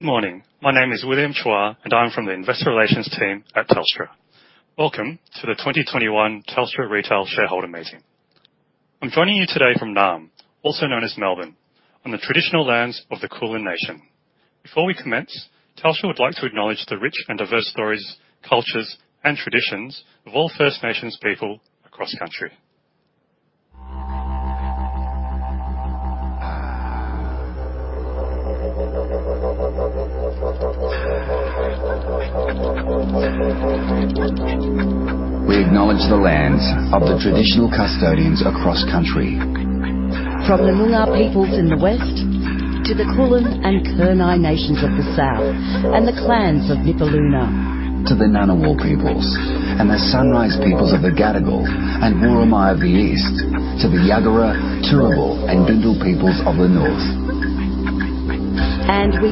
Good morning. My name is William Chua, and I'm from the Investor Relations team at Telstra. Welcome to the 2021 Telstra Retail Shareholder Meeting. I'm joining you today from Naarm, also known as Melbourne, on the traditional lands of the Kulin Nation. Before we commence, Telstra would like to acknowledge the rich and diverse stories, cultures, and traditions of all First Nations people across country. Today,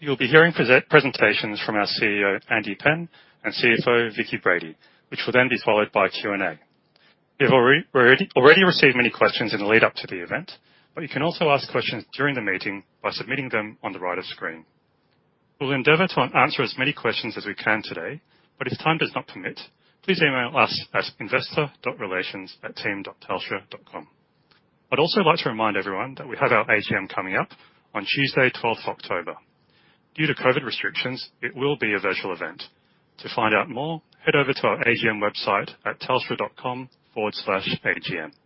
you'll be hearing presentations from our CEO, Andy Penn, and CFO, Vicki Brady, which will then be followed by Q&A. You've already received many questions in the lead-up to the event, but you can also ask questions during the meeting by submitting them on the right of screen. We'll endeavor to answer as many questions as we can today, but if time does not permit, please email us at investor.relations@team.telstra.com. I'd also like to remind everyone that we have our AGM coming up on Tuesday, 12th of October. Due to COVID restrictions, it will be a virtual event. To find out more, head over to our AGM website at telstra.com/agm.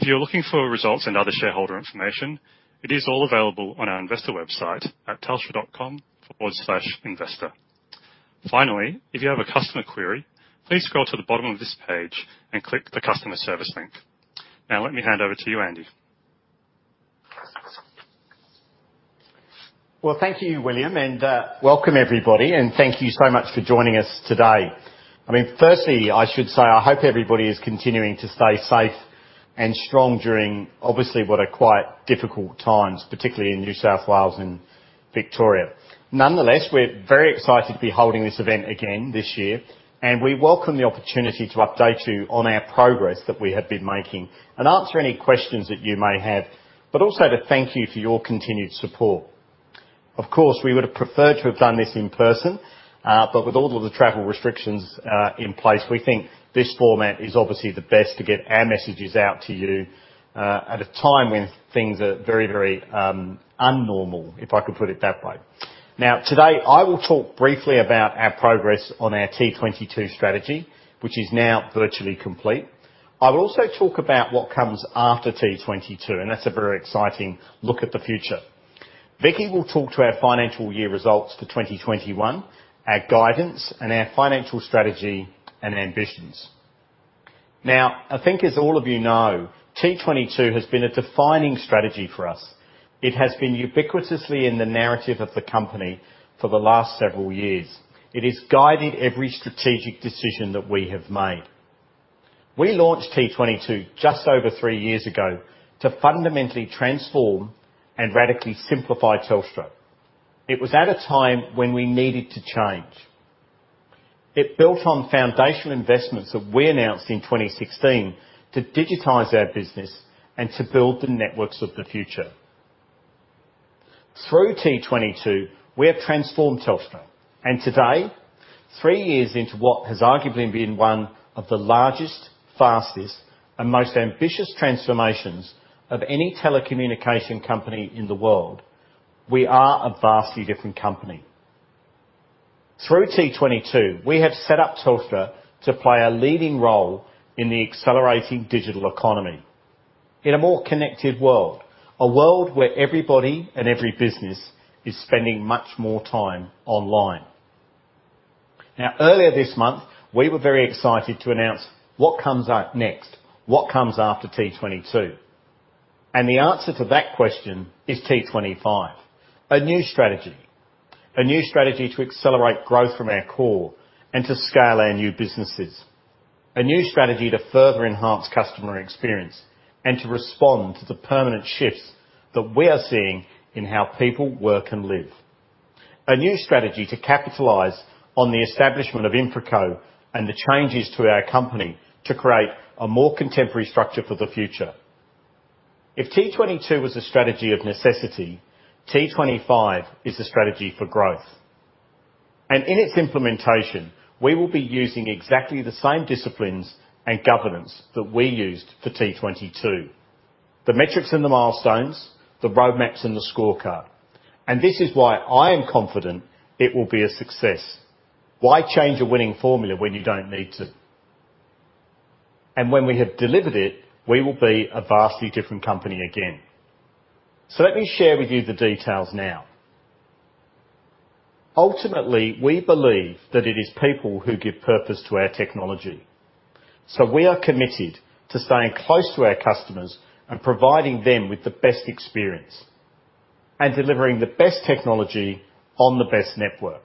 If you're looking for results and other shareholder information, it is all available on our investor website at telstra.com/investor. Finally, if you have a customer query, please scroll to the bottom of this page and click the customer service link. Now, let me hand over to you, Andy. Well, thank you, William, and welcome everybody, and thank you so much for joining us today. I mean, firstly, I should say I hope everybody is continuing to stay safe and strong during, obviously, what are quite difficult times, particularly in New South Wales and Victoria. Nonetheless, we're very excited to be holding this event again this year, and we welcome the opportunity to update you on our progress that we have been making and answer any questions that you may have, but also to thank you for your continued support. Of course, we would have preferred to have done this in person, but with all of the travel restrictions in place, we think this format is obviously the best to get our messages out to you at a time when things are very, very un-normal, if I could put it that way. Now, today, I will talk briefly about our progress on our T22 strategy, which is now virtually complete. I will also talk about what comes after T22, and that's a very exciting look at the future. Vicki will talk to our financial year results for 2021, our guidance, and our financial strategy and ambitions. Now, I think, as all of you know, T22 has been a defining strategy for us. It has been ubiquitously in the narrative of the company for the last several years. It has guided every strategic decision that we have made. We launched T22 just over three years ago to fundamentally transform and radically simplify Telstra. It was at a time when we needed to change. It built on foundational investments that we announced in 2016 to digitize our business and to build the networks of the future. Through T22, we have transformed Telstra, and today, three years into what has arguably been one of the largest, fastest, and most ambitious transformations of any telecommunications company in the world, we are a vastly different company. Through T22, we have set up Telstra to play a leading role in the accelerating digital economy, in a more connected world, a world where everybody and every business is spending much more time online. Now, earlier this month, we were very excited to announce what comes up next, what comes after T22, and the answer to that question is T25, a new strategy, a new strategy to accelerate growth from our core and to scale our new businesses, a new strategy to further enhance customer experience and to respond to the permanent shifts that we are seeing in how people work and live, a new strategy to capitalize on the establishment of InfraCo and the changes to our company to create a more contemporary structure for the future. If T22 was a strategy of necessity, T25 is a strategy for growth, and in its implementation, we will be using exactly the same disciplines and governance that we used for T22, the metrics and the milestones, the roadmaps and the scorecard, and this is why I am confident it will be a success. Why change a winning formula when you don't need to? When we have delivered it, we will be a vastly different company again. Let me share with you the details now. Ultimately, we believe that it is people who give purpose to our technology. We are committed to staying close to our customers and providing them with the best experience and delivering the best technology on the best network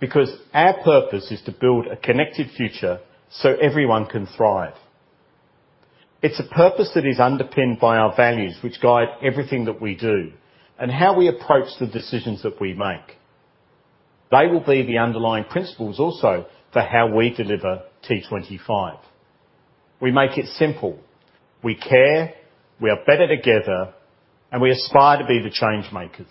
because our purpose is to build a connected future so everyone can thrive. It's a purpose that is underpinned by our values, which guide everything that we do and how we approach the decisions that we make. They will be the underlying principles also for how we deliver T25. We make it simple. We care. We are better together, and we aspire to be the change makers.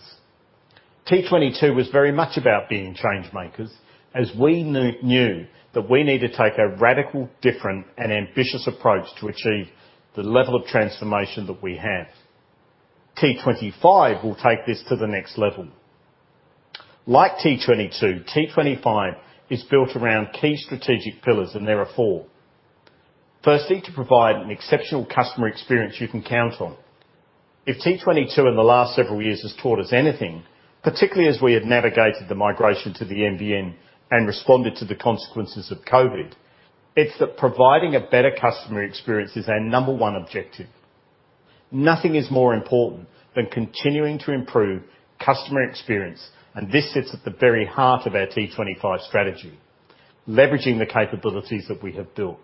T22 was very much about being change makers as we knew that we need to take a radical, different, and ambitious approach to achieve the level of transformation that we have. T25 will take this to the next level. Like T22, T25 is built around key strategic pillars, and there are four. Firstly, to provide an exceptional customer experience you can count on. If T22 in the last several years has taught us anything, particularly as we have navigated the migration to the NBN and responded to the consequences of COVID, it's that providing a better customer experience is our number one objective. Nothing is more important than continuing to improve customer experience, and this sits at the very heart of our T25 strategy, leveraging the capabilities that we have built.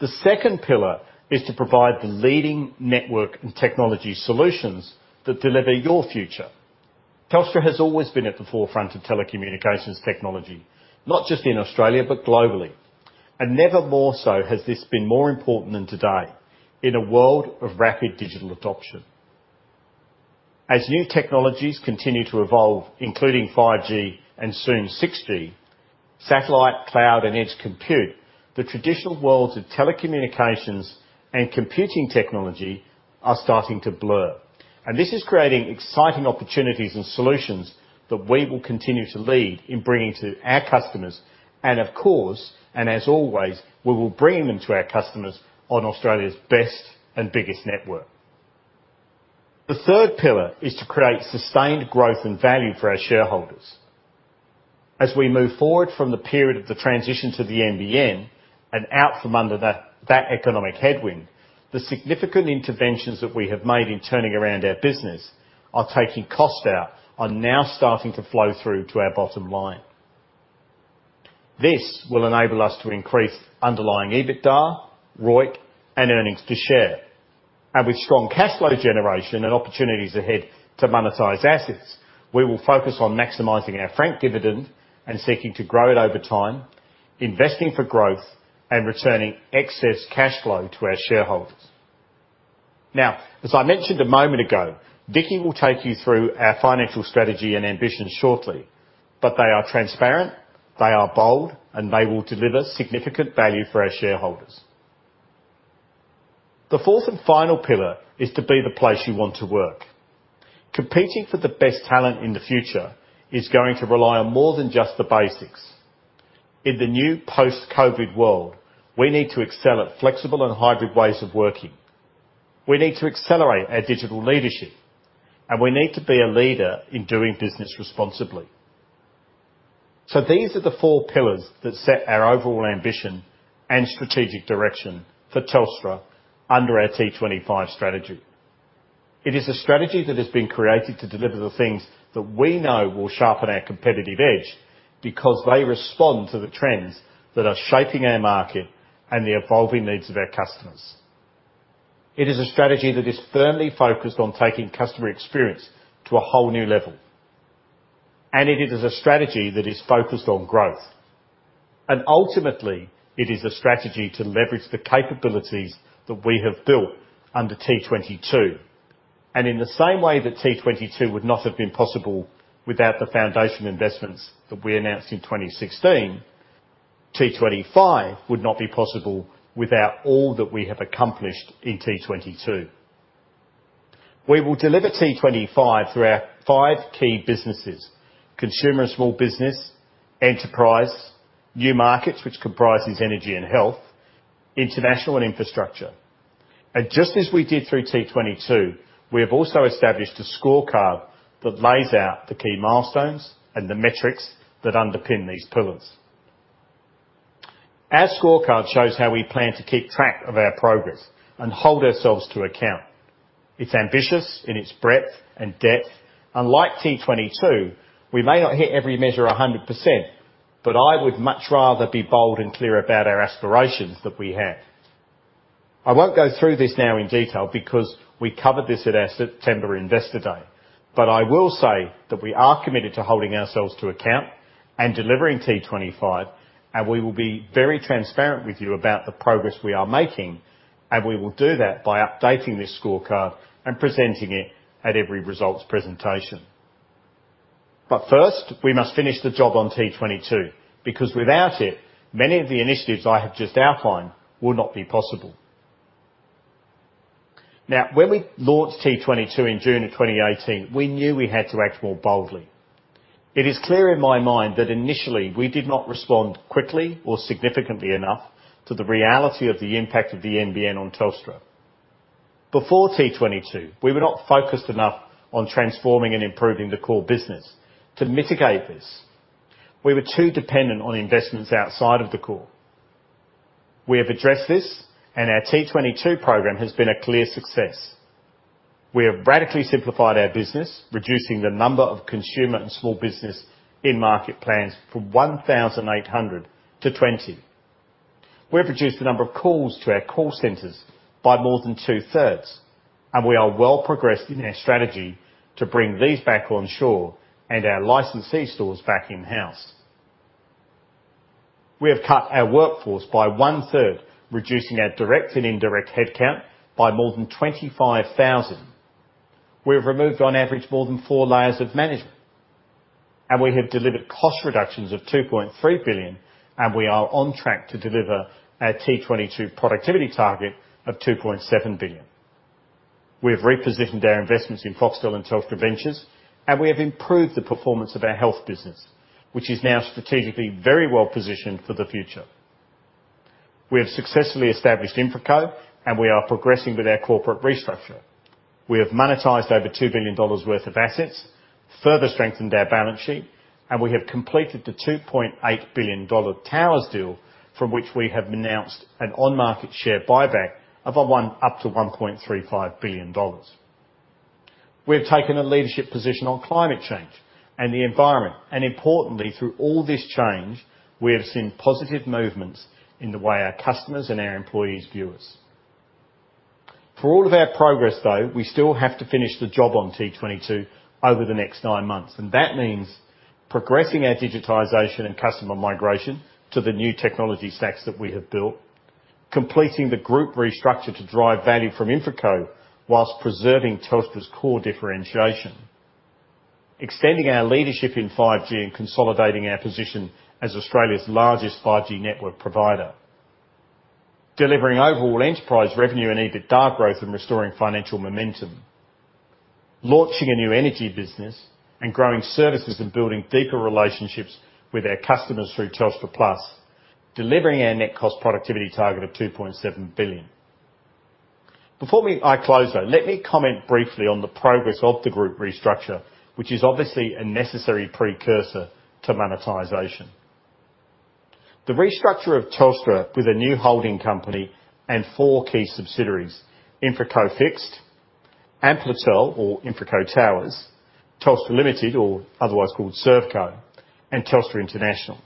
The second pillar is to provide the leading network and technology solutions that deliver your future. Telstra has always been at the forefront of telecommunications technology, not just in Australia but globally, and never more so has this been more important than today in a world of rapid digital adoption. As new technologies continue to evolve, including 5G and soon 6G, satellite, cloud, and edge compute, the traditional worlds of telecommunications and computing technology are starting to blur, and this is creating exciting opportunities and solutions that we will continue to lead in bringing to our customers and, of course, and as always, we will bring them to our customers on Australia's best and biggest network. The third pillar is to create sustained growth and value for our shareholders. As we move forward from the period of the transition to the NBN and out from under that economic headwind, the significant interventions that we have made in turning around our business are taking costs out and now starting to flow through to our bottom line. This will enable us to increase underlying EBITDA, ROIC, and earnings per share, and with strong cash flow generation and opportunities ahead to monetize assets, we will focus on maximizing our franked dividend and seeking to grow it over time, investing for growth, and returning excess cash flow to our shareholders. Now, as I mentioned a moment ago, Vicki will take you through our financial strategy and ambitions shortly, but they are transparent, they are bold, and they will deliver significant value for our shareholders. The fourth and final pillar is to be the place you want to work. Competing for the best talent in the future is going to rely on more than just the basics. In the new post-COVID world, we need to excel at flexible and hybrid ways of working. We need to accelerate our digital leadership, and we need to be a leader in doing business responsibly. These are the four pillars that set our overall ambition and strategic direction for Telstra under our T25 strategy. It is a strategy that has been created to deliver the things that we know will sharpen our competitive edge because they respond to the trends that are shaping our market and the evolving needs of our customers. It is a strategy that is firmly focused on taking customer experience to a whole new level, and it is a strategy that is focused on growth. Ultimately, it is a strategy to leverage the capabilities that we have built under T22. In the same way that T22 would not have been possible without the foundation investments that we announced in 2016, T25 would not be possible without all that we have accomplished in T22. We will deliver T25 through our five key businesses: consumer and small business, enterprise, new markets, which comprises energy and health, international and infrastructure. Just as we did through T22, we have also established a scorecard that lays out the key milestones and the metrics that underpin these pillars. Our scorecard shows how we plan to keep track of our progress and hold ourselves to account. It's ambitious in its breadth and depth. Unlike T22, we may not hit every measure 100%, but I would much rather be bold and clear about our aspirations that we have. I won't go through this now in detail because we covered this at our September Investor Day, but I will say that we are committed to holding ourselves to account and delivering T25, and we will be very transparent with you about the progress we are making, and we will do that by updating this scorecard and presenting it at every results presentation. But first, we must finish the job on T22 because without it, many of the initiatives I have just outlined will not be possible. Now, when we launched T22 in June of 2018, we knew we had to act more boldly. It is clear in my mind that initially, we did not respond quickly or significantly enough to the reality of the impact of the NBN on Telstra. Before T22, we were not focused enough on transforming and improving the Court business to mitigate this. We were too dependent on investments outside of the core. We have addressed this, and our T22 program has been a clear success. We have radically simplified our business, reducing the number of consumer and small business in-market plans from 1,800 to 20. We have reduced the number of calls to our call centers by more than two-thirds, and we are well progressed in our strategy to bring these back onshore and our licensee stores back in-house. We have cut our workforce by one-third, reducing our direct and indirect headcount by more than 25,000. We have removed, on average, more than four layers of management, and we have delivered cost reductions of 2.3 billion, and we are on track to deliver our T22 productivity target of 2.7 billion. We have repositioned our investments in Foxtel and Telstra Ventures, and we have improved the performance of our health business, which is now strategically very well positioned for the future. We have successfully established InfraCo, and we are progressing with our corporate restructure. We have monetized over 2 billion dollars worth of assets, further strengthened our balance sheet, and we have completed the 2.8 billion dollar Towers deal from which we have announced an on-market share buyback of up to 1.35 billion dollars. We have taken a leadership position on climate change and the environment, and importantly, through all this change, we have seen positive movements in the way our customers and our employees view us. For all of our progress, though, we still have to finish the job on T22 over the next nine months, and that means progressing our digitization and customer migration to the new technology stacks that we have built, completing the group restructure to drive value from InfraCo while preserving Telstra's core differentiation, extending our leadership in 5G and consolidating our position as Australia's largest 5G network provider, delivering overall enterprise revenue and EBITDA growth and restoring financial momentum, launching a new energy business and growing services and building deeper relationships with our customers through Telstra Plus, delivering our net cost productivity target of 2.7 billion. Before I close, though, let me comment briefly on the progress of the group restructure, which is obviously a necessary precursor to monetization. The restructure of Telstra with a new holding company and four key subsidiaries, InfraCo Fixed, Amplitel or InfraCo Towers, Telstra Limited or otherwise called ServCo, and Telstra International.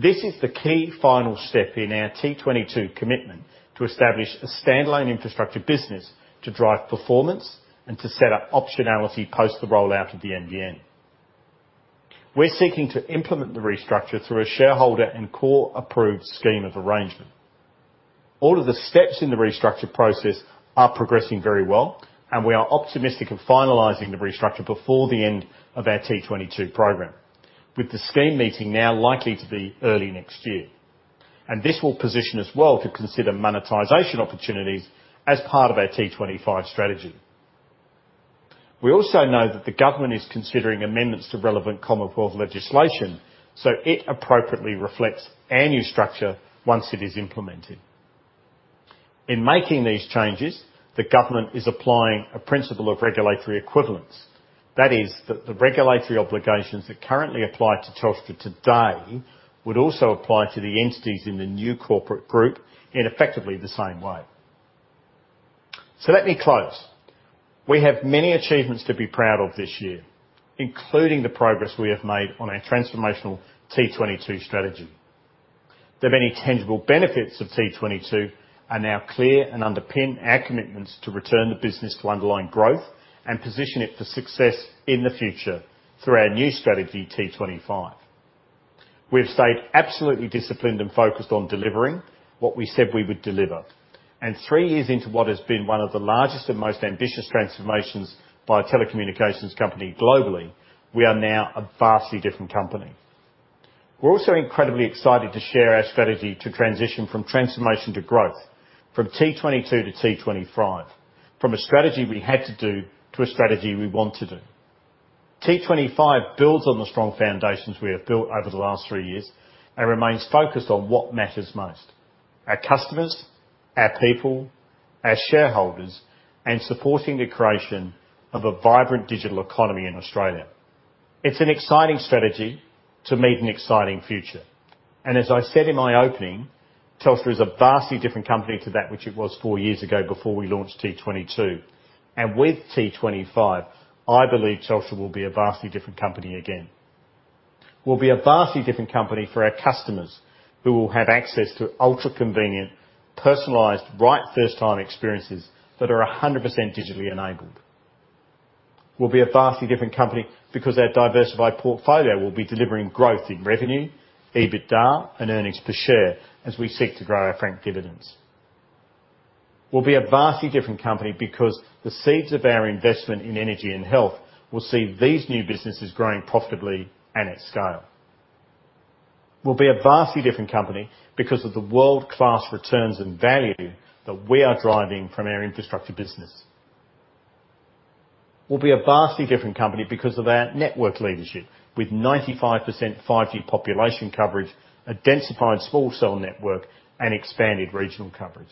This is the key final step in our T22 commitment to establish a standalone infrastructure business to drive performance and to set up optionality post the rollout of the NBN. We're seeking to implement the restructure through a shareholder and core approved scheme of arrangement. All of the steps in the restructure process are progressing very well, and we are optimistic of finalizing the restructure before the end of our T22 program, with the scheme meeting now likely to be early next year, and this will position us well to consider monetization opportunities as part of our T25 strategy. We also know that the government is considering amendments to relevant Commonwealth legislation, so it appropriately reflects our new structure once it is implemented. In making these changes, the government is applying a principle of regulatory equivalence. That is, that the regulatory obligations that currently apply to Telstra today would also apply to the entities in the new corporate group in effectively the same way. So let me close. We have many achievements to be proud of this year, including the progress we have made on our transformational T22 strategy. The many tangible benefits of T22 are now clear and underpin our commitments to return the business to underlying growth and position it for success in the future through our new strategy, T25. We have stayed absolutely disciplined and focused on delivering what we said we would deliver, and three years into what has been one of the largest and most ambitious transformations by a telecommunications company globally, we are now a vastly different company. We're also incredibly excited to share our strategy to transition from transformation to growth, from T22 to T25, from a strategy we had to do to a strategy we want to do. T25 builds on the strong foundations we have built over the last three years and remains focused on what matters most: our customers, our people, our shareholders, and supporting the creation of a vibrant digital economy in Australia. It's an exciting strategy to meet an exciting future, and as I said in my opening, Telstra is a vastly different company to that which it was four years ago before we launched T22, and with T25, I believe Telstra will be a vastly different company again. We'll be a vastly different company for our customers who will have access to ultra-convenient, personalized, right-first-time experiences that are 100% digitally enabled. We'll be a vastly different company because our diversified portfolio will be delivering growth in revenue, EBITDA, and earnings per share as we seek to grow our franked dividends. We'll be a vastly different company because the seeds of our investment in energy and health will see these new businesses growing profitably and at scale. We'll be a vastly different company because of the world-class returns and value that we are driving from our infrastructure business. We'll be a vastly different company because of our network leadership with 95% 5G population coverage, a densified small cell network, and expanded regional coverage.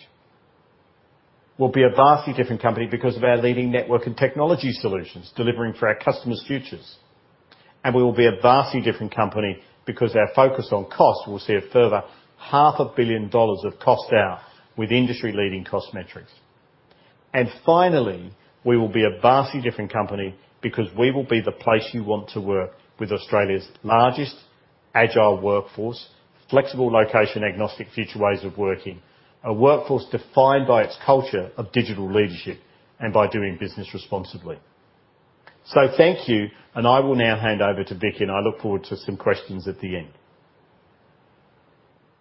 We'll be a vastly different company because of our leading network and technology solutions delivering for our customers' futures, and we will be a vastly different company because our focus on cost will see a further 500 million dollars of costs out with industry-leading cost metrics. And finally, we will be a vastly different company because we will be the place you want to work with Australia's largest agile workforce, flexible location-agnostic future ways of working, a workforce defined by its culture of digital leadership and by doing business responsibly. So thank you, and I will now hand over to Vicki, and I look forward to some questions at the end.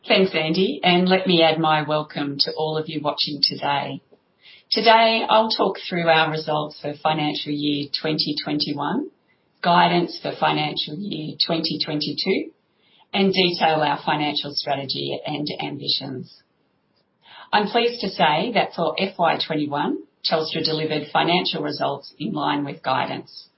Thanks, Andy, and let me add my welcome to all of you watching today. Today, I'll talk through our results for financial year 2021, guidance for financial year 2022, and detail our financial strategy and ambitions. I'm pleased to say that for FY21, Telstra delivered financial results in line with guidance.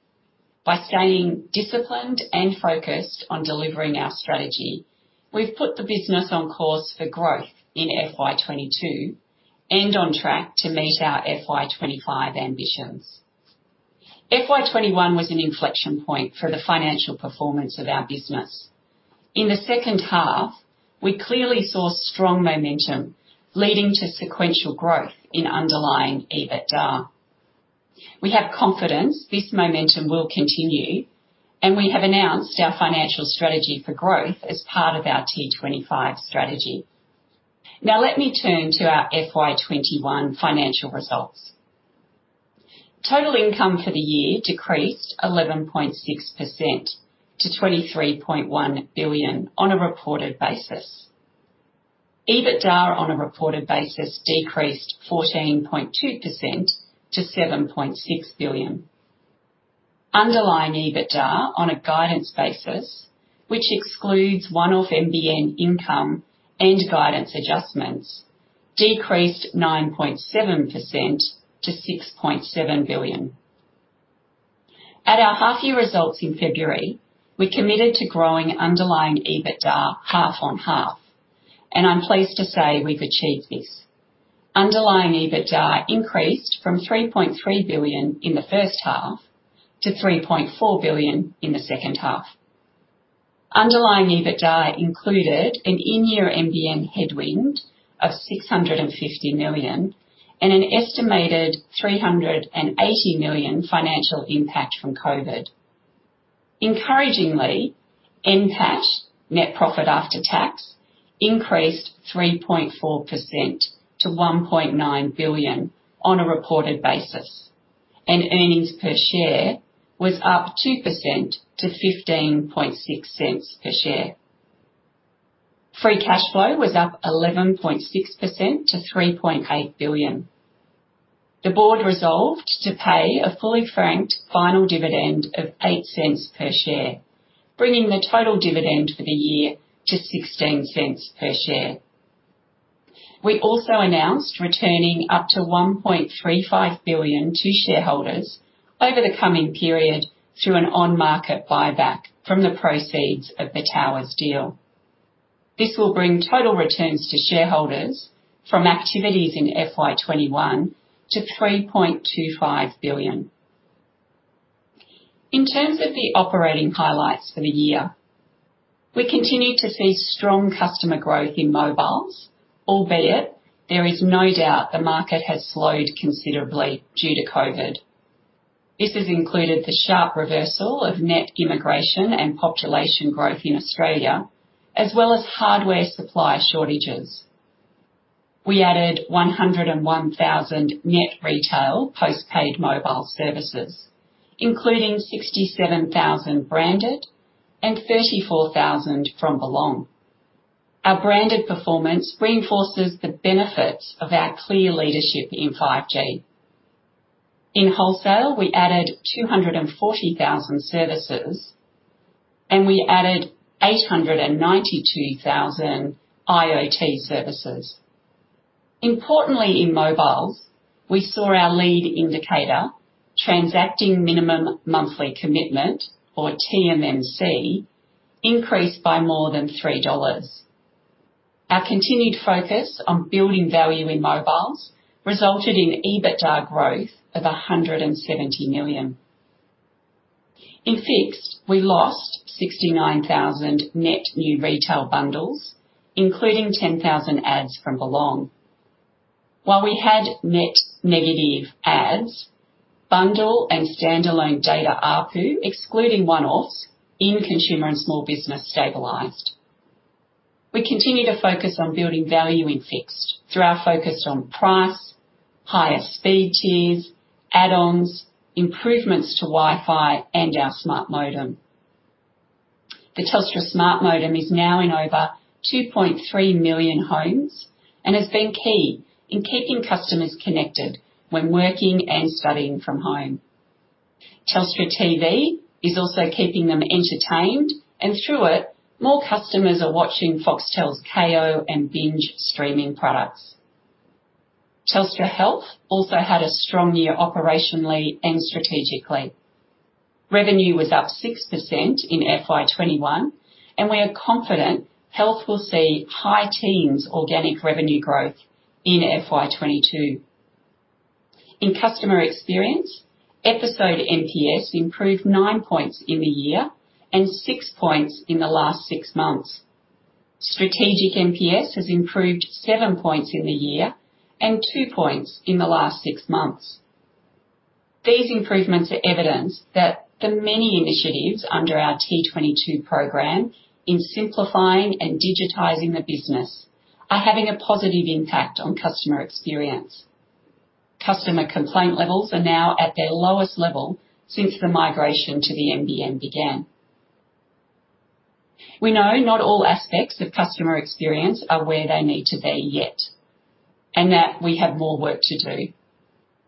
By staying disciplined and focused on delivering our strategy, we've put the business on course for growth in FY22 and on track to meet our FY25 ambitions. FY21 was an inflection point for the financial performance of our business. In the second half, we clearly saw strong momentum leading to sequential growth in underlying EBITDA. We have confidence this momentum will continue, and we have announced our financial strategy for growth as part of our T25 strategy. Now, let me turn to our FY21 financial results. Total income for the year decreased 11.6% to 23.1 billion on a reported basis. EBITDA on a reported basis decreased 14.2% to 7.6 billion. Underlying EBITDA on a guidance basis, which excludes one-off NBN income and guidance adjustments, decreased 9.7% to 6.7 billion. At our half-year results in February, we committed to growing underlying EBITDA half on half, and I'm pleased to say we've achieved this. Underlying EBITDA increased from AUD 3.3 billion in the first half to AUD 3.4 billion in the second half. Underlying EBITDA included an in-year NBN headwind of 650 million and an estimated 380 million financial impact from COVID. Encouragingly, NPAT, net profit after tax, increased 3.4% to 1.9 billion on a reported basis, and earnings per share was up 2% to 0.156 per share. Free cash flow was up 11.6% to 3.8 billion. The board resolved to pay a fully franked final dividend of 0.08 per share, bringing the total dividend for the year to 0.16 per share. We also announced returning up to 1.35 billion to shareholders over the coming period through an on-market buyback from the proceeds of the Towers deal. This will bring total returns to shareholders from activities in FY21 to 3.25 billion. In terms of the operating highlights for the year, we continue to see strong customer growth in mobiles, albeit there is no doubt the market has slowed considerably due to COVID. This has included the sharp reversal of net immigration and population growth in Australia, as well as hardware supply shortages. We added 101,000 net retail postpaid mobile services, including 67,000 branded and 34,000 from Belong. Our branded performance reinforces the benefits of our clear leadership in 5G. In wholesale, we added 240,000 services, and we added 892,000 IoT services. Importantly, in mobiles, we saw our lead indicator, transacting minimum monthly commitment, or TMMC, increase by more than 3 dollars. Our continued focus on building value in mobiles resulted in EBITDA growth of 170 million. In fixed, we lost 69,000 net new retail bundles, including 10,000 adds from Belong. While we had net negative adds, bundle and standalone data AARPU, excluding one-offs in consumer and small business, stabilized. We continue to focus on building value in fixed through our focus on price, higher speed tiers, add-ons, improvements to Wi-Fi, and our Smart Modem. The Telstra Smart Modem is now in over 2.3 million homes and has been key in keeping customers connected when working and studying from home. Telstra TV is also keeping them entertained, and through it, more customers are watching Foxtel's Kayo and Binge streaming products. Telstra Health also had a strong year operationally and strategically. Revenue was up 6% in FY21, and we are confident Health will see high teens organic revenue growth in FY22. In customer experience, Episode NPS improved 9 points in the year and 6 points in the last six months. Strategic NPS has improved 7 points in the year and 2 points in the last six months. These improvements are evidence that the many initiatives under our T22 program in simplifying and digitizing the business are having a positive impact on customer experience. Customer complaint levels are now at their lowest level since the migration to the NBN began. We know not all aspects of customer experience are where they need to be yet, and that we have more work to do.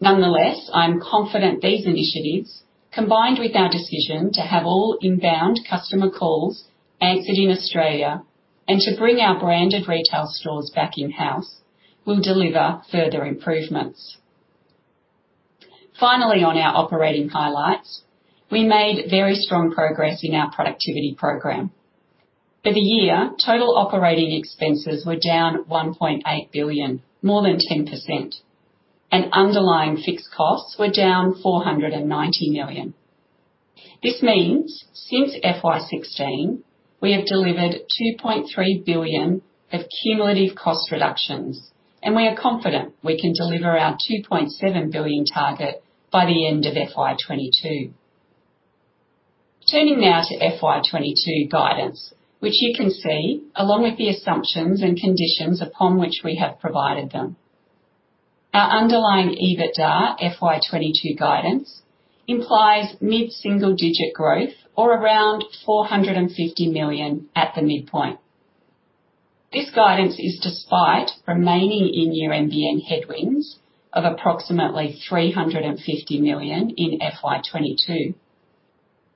Nonetheless, I'm confident these initiatives, combined with our decision to have all inbound customer calls answered in Australia and to bring our branded retail stores back in-house, will deliver further improvements. Finally, on our operating highlights, we made very strong progress in our productivity program. For the year, total operating expenses were down 1.8 billion, more than 10%, and underlying fixed costs were down 490 million. This means since FY16, we have delivered 2.3 billion of cumulative cost reductions, and we are confident we can deliver our 2.7 billion target by the end of FY22. Turning now to FY22 guidance, which you can see along with the assumptions and conditions upon which we have provided them. Our underlying EBITDA FY22 guidance implies mid-single-digit growth or around 450 million at the midpoint. This guidance is despite remaining in-year NBN headwinds of approximately 350 million in FY22.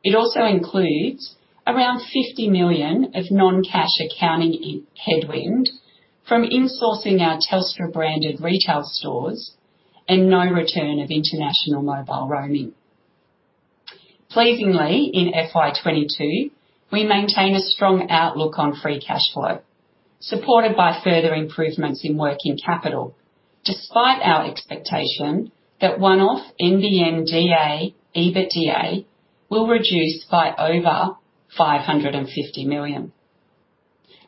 It also includes around 50 million of non-cash accounting headwind from insourcing our Telstra branded retail stores and no return of international mobile roaming. Pleasingly, in FY22, we maintain a strong outlook on free cash flow, supported by further improvements in working capital despite our expectation that one-off NBN DA EBITDA will reduce by over 550 million.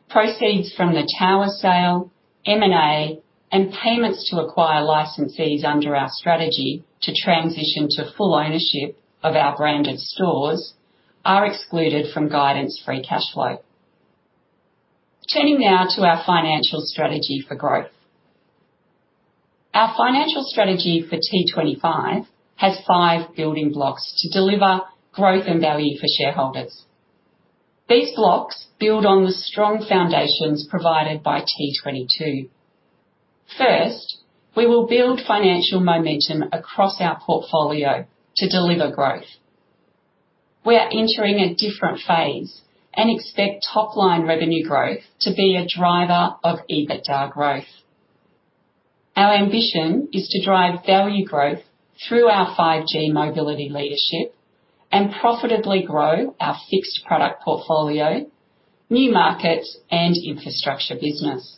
Proceeds from the Tower sale, M&A, and payments to acquire licensees under our strategy to transition to full ownership of our branded stores are excluded from guidance free cash flow. Turning now to our financial strategy for growth. Our financial strategy for T25 has five building blocks to deliver growth and value for shareholders. These blocks build on the strong foundations provided by T22. First, we will build financial momentum across our portfolio to deliver growth. We are entering a different phase and expect top-line revenue growth to be a driver of EBITDA growth. Our ambition is to drive value growth through our 5G mobility leadership and profitably grow our fixed product portfolio, new markets, and infrastructure business.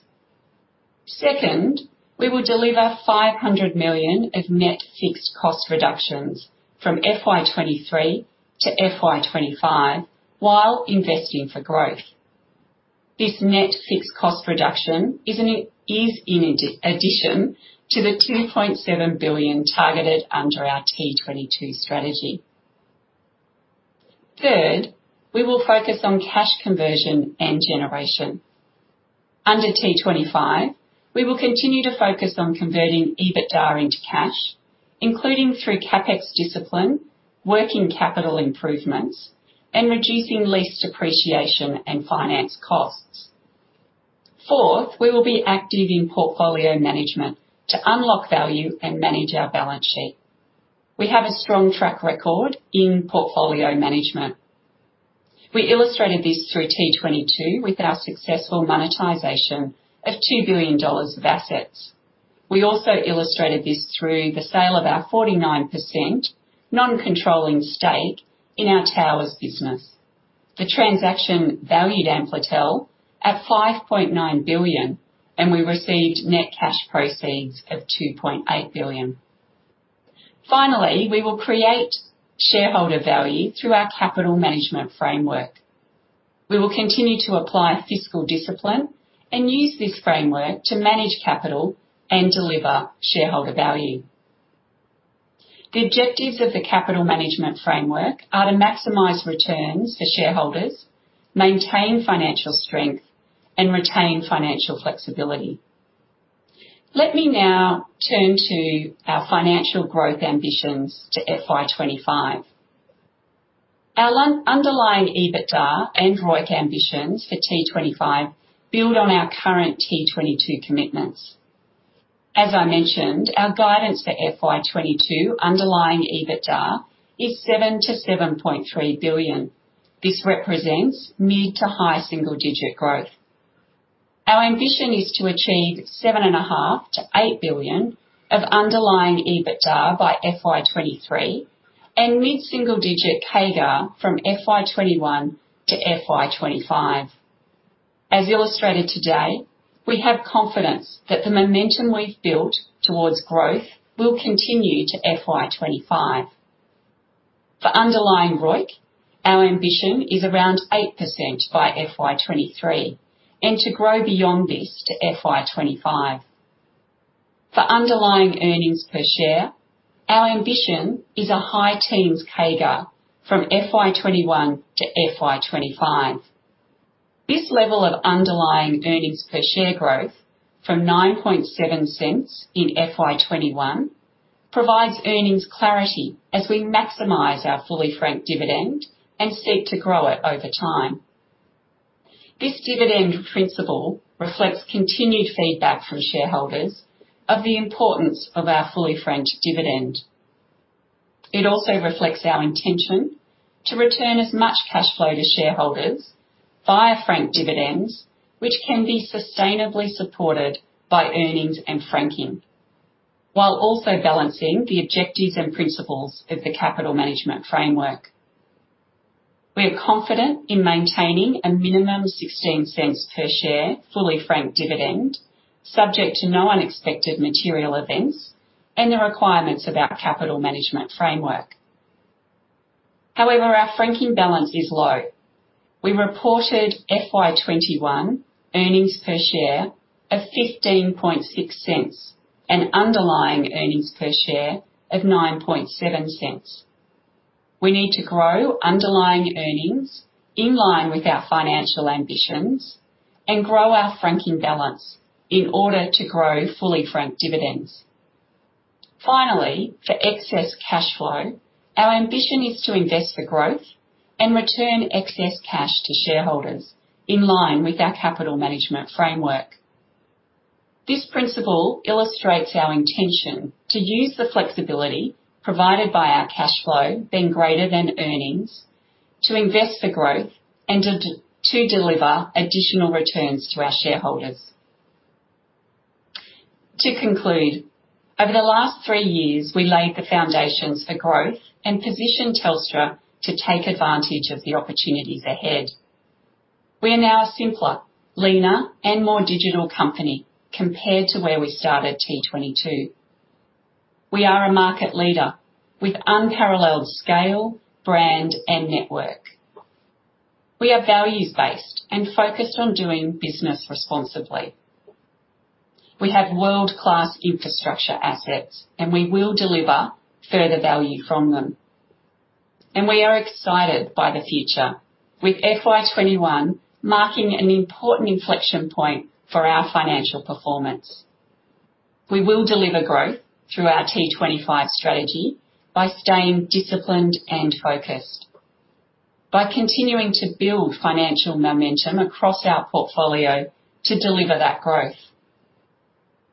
Second, we will deliver 500 million of net fixed cost reductions from FY23 to FY25 while investing for growth. This net fixed cost reduction is in addition to the 2.7 billion targeted under our T22 strategy. Third, we will focus on cash conversion and generation. Under T25, we will continue to focus on converting EBITDA into cash, including through CapEx discipline, working capital improvements, and reducing lease depreciation and finance costs. Fourth, we will be active in portfolio management to unlock value and manage our balance sheet. We have a strong track record in portfolio management. We illustrated this through T22 with our successful monetization of $2 billion of assets. We also illustrated this through the sale of our 49% non-controlling stake in our Towers business, the transaction valued Amplitel at 5.9 billion, and we received net cash proceeds of 2.8 billion. Finally, we will create shareholder value through our capital management framework. We will continue to apply fiscal discipline and use this framework to manage capital and deliver shareholder value. The objectives of the capital management framework are to maximize returns for shareholders, maintain financial strength, and retain financial flexibility. Let me now turn to our financial growth ambitions to FY25. Our underlying EBITDA and ROIC ambitions for T25 build on our current T22 commitments. As I mentioned, our guidance for FY22 underlying EBITDA is 7 billion-7.3 billion. This represents mid to high single-digit growth. Our ambition is to achieve 7.5 billion-8 billion of underlying EBITDA by FY23 and mid-single-digit CAGR from FY21 to FY25. As illustrated today, we have confidence that the momentum we've built towards growth will continue to FY25. For underlying ROIC, our ambition is around 8% by FY23 and to grow beyond this to FY25. For underlying earnings per share, our ambition is a high teens CAGR from FY21 to FY25. This level of underlying earnings per share growth from 0.097 in FY21 provides earnings clarity as we maximize our fully franked dividend and seek to grow it over time. This dividend principle reflects continued feedback from shareholders of the importance of our fully franked dividend. It also reflects our intention to return as much cash flow to shareholders via franked dividends, which can be sustainably supported by earnings and franking, while also balancing the objectives and principles of the capital management framework. We are confident in maintaining a minimum 0.16 per share fully franked dividend, subject to no unexpected material events and the requirements of our capital management framework. However, our franking balance is low. We reported FY21 earnings per share of 0.156 and underlying earnings per share of 0.097. We need to grow underlying earnings in line with our financial ambitions and grow our franking balance in order to grow fully franked dividends. Finally, for excess cash flow, our ambition is to invest for growth and return excess cash to shareholders in line with our capital management framework. This principle illustrates our intention to use the flexibility provided by our cash flow being greater than earnings to invest for growth and to deliver additional returns to our shareholders. To conclude, over the last three years, we laid the foundations for growth and positioned Telstra to take advantage of the opportunities ahead. We are now a simpler, leaner, and more digital company compared to where we started T22. We are a market leader with unparalleled scale, brand, and network. We are values-based and focused on doing business responsibly. We have world-class infrastructure assets, and we will deliver further value from them. And we are excited by the future, with FY21 marking an important inflection point for our financial performance. We will deliver growth through our T25 strategy by staying disciplined and focused, by continuing to build financial momentum across our portfolio to deliver that growth,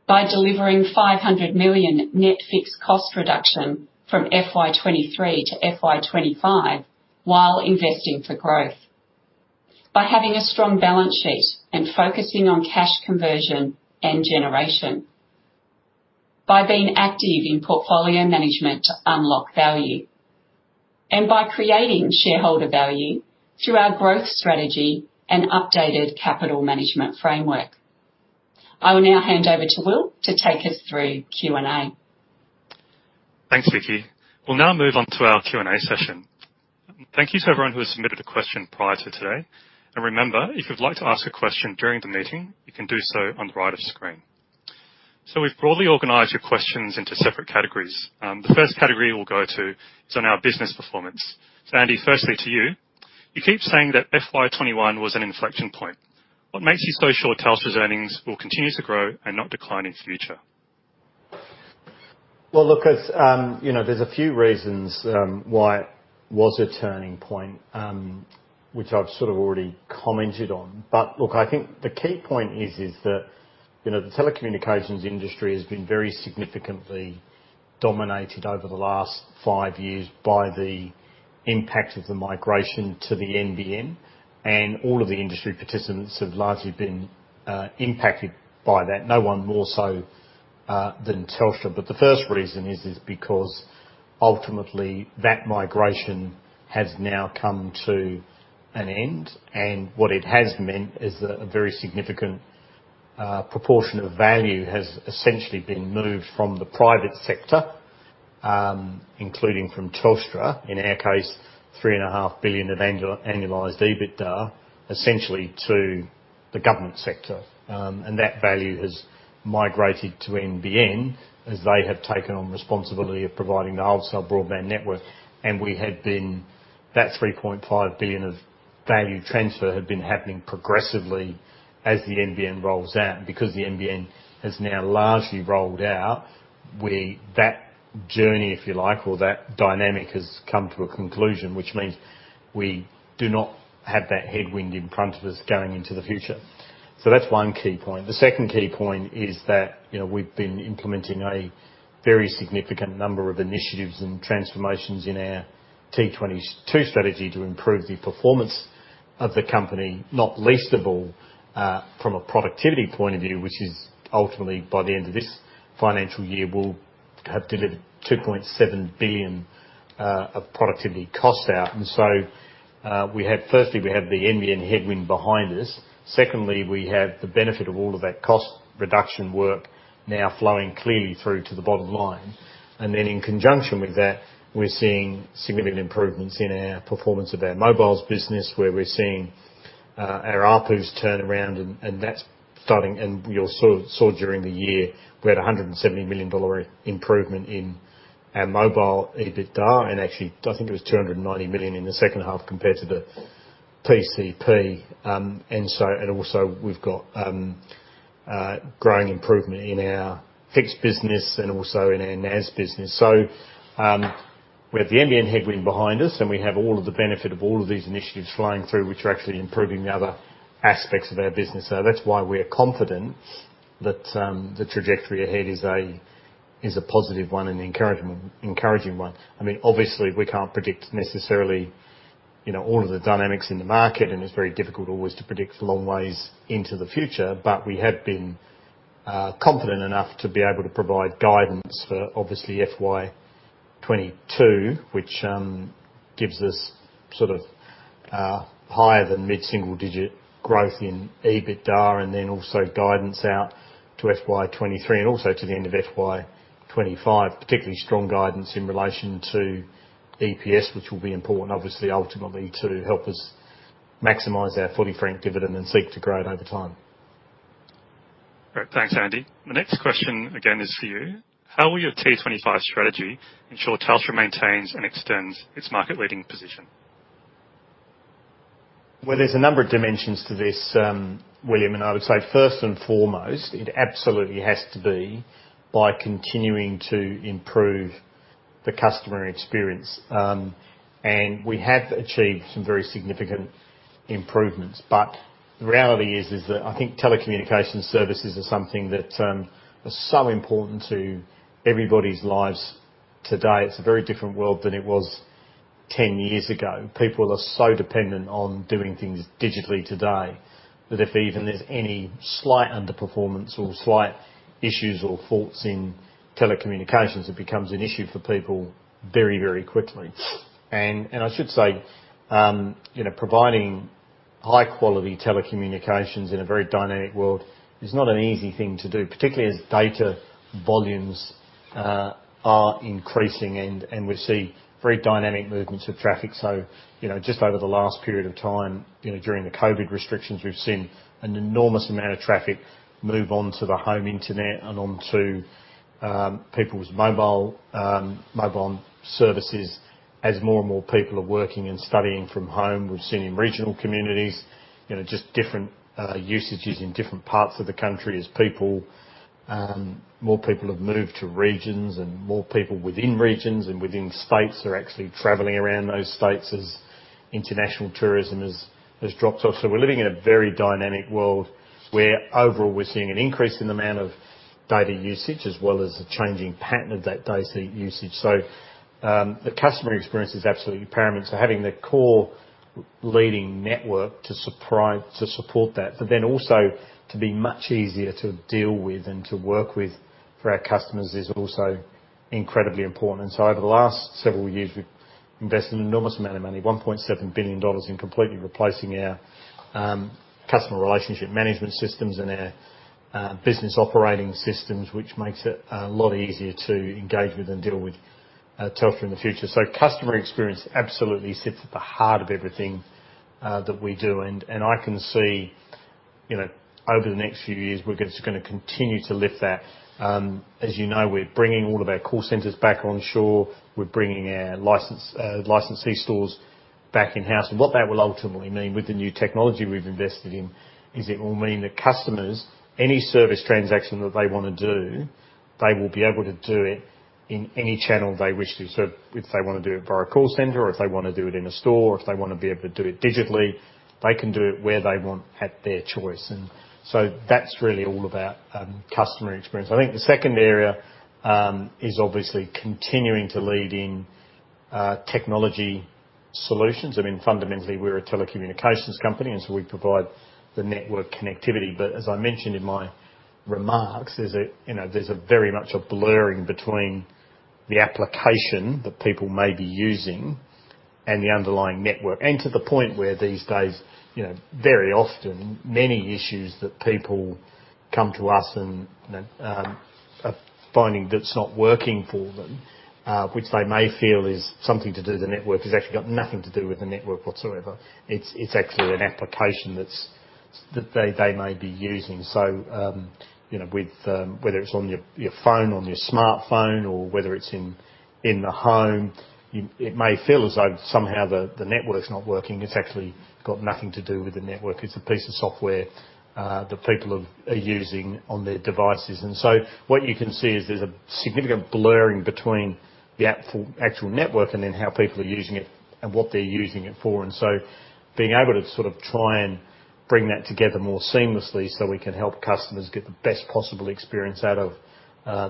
by delivering 500 million net fixed cost reduction from FY23 to FY25 while investing for growth, by having a strong balance sheet and focusing on cash conversion and generation, by being active in portfolio management to unlock value, and by creating shareholder value through our growth strategy and updated capital management framework. I will now hand over to Will to take us through Q&A. Thanks, Vicki. We'll now move on to our Q&A session. Thank you to everyone who has submitted a question prior to today. Remember, if you'd like to ask a question during the meeting, you can do so on the right of screen. We've broadly organized your questions into separate categories. The first category we'll go to is on our business performance. So Andy, firstly to you. You keep saying that FY21 was an inflection point. What makes you so sure Telstra's earnings will continue to grow and not decline in the future? Well, look, there's a few reasons why it was a turning point, which I've sort of already commented on. But look, I think the key point is that the telecommunications industry has been very significantly dominated over the last five years by the impact of the migration to the NBN, and all of the industry participants have largely been impacted by that, no one more so than Telstra. But the first reason is because ultimately that migration has now come to an end, and what it has meant is that a very significant proportion of value has essentially been moved from the private sector, including from Telstra, in our case, 3.5 billion of annualized EBITDA, essentially to the government sector. And that value has migrated to NBN as they have taken on responsibility of providing the wholesale broadband network. And we had been that 3.5 billion of value transfer had been happening progressively as the NBN rolls out. Because the NBN has now largely rolled out, that journey, if you like, or that dynamic has come to a conclusion, which means we do not have that headwind in front of us going into the future. So that's one key point. The second key point is that we've been implementing a very significant number of initiatives and transformations in our T22 strategy to improve the performance of the company, not least of all from a productivity point of view, which is ultimately by the end of this financial year, we'll have delivered 2.7 billion of productivity cost out. And so firstly, we have the NBN headwind behind us. Secondly, we have the benefit of all of that cost reduction work now flowing clearly through to the bottom line. And then in conjunction with that, we're seeing significant improvements in our performance of our mobiles business, where we're seeing our ARPUs turn around, and that's starting. And you'll saw during the year, we had a $170 million improvement in our mobile EBITDA, and actually, I think it was 290 million in the second half compared to the PCP. And also we've got growing improvement in our fixed business and also in our NAS business. So we have the NBN headwind behind us, and we have all of the benefit of all of these initiatives flowing through, which are actually improving the other aspects of our business. So that's why we're confident that the trajectory ahead is a positive one and encouraging one. I mean, obviously, we can't predict necessarily all of the dynamics in the market, and it's very difficult always to predict long ways into the future, but we have been confident enough to be able to provide guidance for obviously FY22, which gives us sort of higher than mid-single-digit growth in EBITDA, and then also guidance out to FY23 and also to the end of FY25, particularly strong guidance in relation to EPS, which will be important, obviously, ultimately to help us maximize our fully franked dividend and seek to grow it over time. Right. Thanks, Andy. The next question again is for you. How will your T25 strategy ensure Telstra maintains and extends its market-leading position? Well, there's a number of dimensions to this, William, and I would say first and foremost, it absolutely has to be by continuing to improve the customer experience. And we have achieved some very significant improvements, but the reality is that I think telecommunication services are something that are so important to everybody's lives today. It's a very different world than it was 10 years ago. People are so dependent on doing things digitally today that if even there's any slight underperformance or slight issues or faults in telecommunications, it becomes an issue for people very, very quickly. And I should say providing high-quality telecommunications in a very dynamic world is not an easy thing to do, particularly as data volumes are increasing and we see very dynamic movements of traffic. So just over the last period of time during the COVID restrictions, we've seen an enormous amount of traffic move on to the home internet and on to people's mobile services as more and more people are working and studying from home. We've seen in regional communities just different usages in different parts of the country as more people have moved to regions and more people within regions and within states are actually travelling around those states as international tourism has dropped off. So we're living in a very dynamic world where overall we're seeing an increase in the amount of data usage as well as a changing pattern of that data usage. So the customer experience is absolutely paramount. So having the core leading network to support that, but then also to be much easier to deal with and to work with for our customers is also incredibly important. So over the last several years, we've invested an enormous amount of money, 1.7 billion dollars, in completely replacing our customer relationship management systems and our business operating systems, which makes it a lot easier to engage with and deal with Telstra in the future. So customer experience absolutely sits at the heart of everything that we do. And I can see over the next few years we're just going to continue to lift that. As you know, we're bringing all of our call centres back onshore. We're bringing our licensee stores back in-house. And what that will ultimately mean with the new technology we've invested in is it will mean that customers, any service transaction that they want to do, they will be able to do it in any channel they wish to. So if they want to do it via a call centre or if they want to do it in a store or if they want to be able to do it digitally, they can do it where they want at their choice. So that's really all about customer experience. I think the second area is obviously continuing to lead in technology solutions. I mean, fundamentally, we're a telecommunications company, and so we provide the network connectivity. But as I mentioned in my remarks, there's very much a blurring between the application that people may be using and the underlying network. And to the point where these days, very often, many issues that people come to us and are finding that it's not working for them, which they may feel is something to do with the network, has actually got nothing to do with the network whatsoever. It's actually an application that they may be using. So whether it's on your phone, on your smartphone, or whether it's in the home, it may feel as though somehow the network's not working. It's actually got nothing to do with the network. It's a piece of software that people are using on their devices. And so what you can see is there's a significant blurring between the actual network and then how people are using it and what they're using it for. And so being able to sort of try and bring that together more seamlessly so we can help customers get the best possible experience out of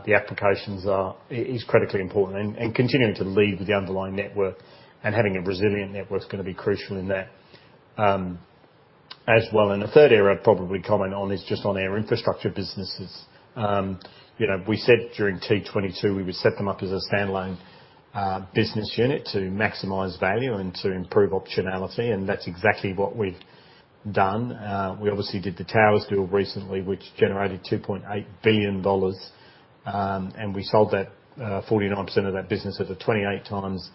the applications is critically important. And continuing to lead with the underlying network and having a resilient network is going to be crucial in that as well. And the third area I'd probably comment on is just on our infrastructure businesses. We said during T22 we would set them up as a standalone business unit to maximize value and to improve optionality. That's exactly what we've done. We obviously did the Towers deal recently, which generated $2.8 billion, and we sold that 49% of that business at a 28x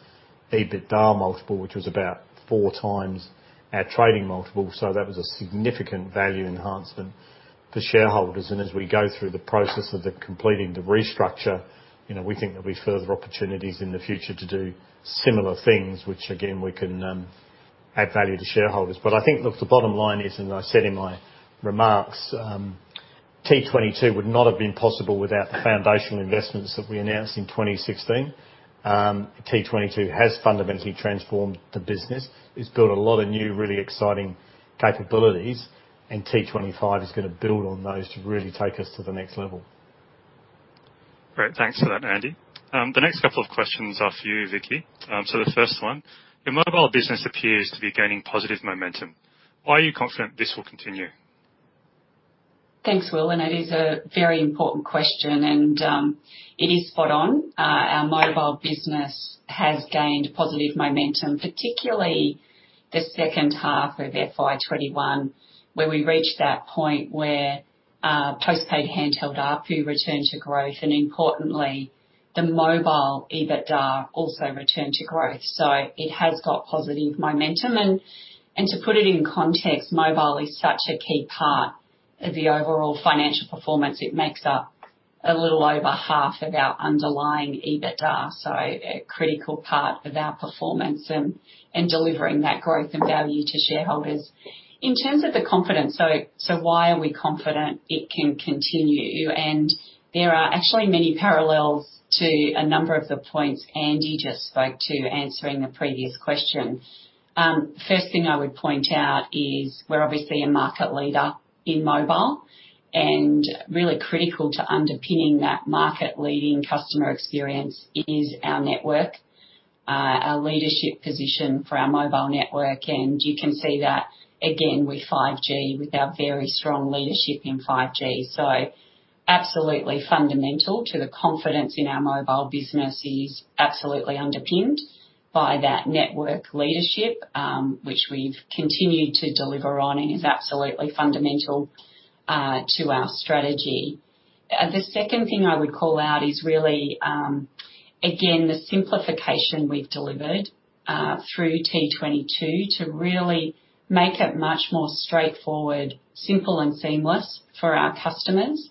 EBITDA multiple, which was about 4x our trading multiple. So that was a significant value enhancement for shareholders. And as we go through the process of completing the restructure, we think there'll be further opportunities in the future to do similar things, which again, we can add value to shareholders. But I think, look, the bottom line is, as I said in my remarks, T22 would not have been possible without the foundational investments that we announced in 2016. T22 has fundamentally transformed the business. It's built a lot of new, really exciting capabilities, and T25 is going to build on those to really take us to the next level. Right. Thanks for that, Andy. The next couple of questions are for you, Vicki. So the first one, your mobile business appears to be gaining positive momentum. Why are you confident this will continue? Thanks, Will. And that is a very important question, and it is spot on. Our mobile business has gained positive momentum, particularly the second half of FY21, where we reached that point where postpaid handheld ARPU returned to growth, and importantly, the mobile EBITDA also returned to growth. So it has got positive momentum. And to put it in context, mobile is such a key part of the overall financial performance. It makes up a little over half of our underlying EBITDA, so a critical part of our performance and delivering that growth and value to shareholders. In terms of the confidence, so why are we confident it can continue? There are actually many parallels to a number of the points Andy just spoke to answering the previous question. First thing I would point out is we're obviously a market leader in mobile, and really critical to underpinning that market-leading customer experience is our network, our leadership position for our mobile network. You can see that again with 5G, with our very strong leadership in 5G. So absolutely fundamental to the confidence in our mobile business is absolutely underpinned by that network leadership, which we've continued to deliver on and is absolutely fundamental to our strategy. The second thing I would call out is really, again, the simplification we've delivered through T22 to really make it much more straightforward, simple, and seamless for our customers.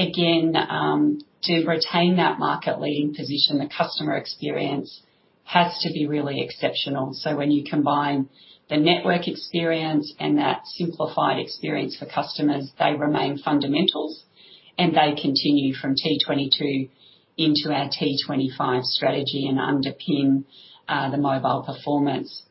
Again, to retain that market-leading position, the customer experience has to be really exceptional. So when you combine the network experience and that simplified experience for customers, they remain fundamentals, and they continue from T22 into our T25 strategy and underpin the mobile performance.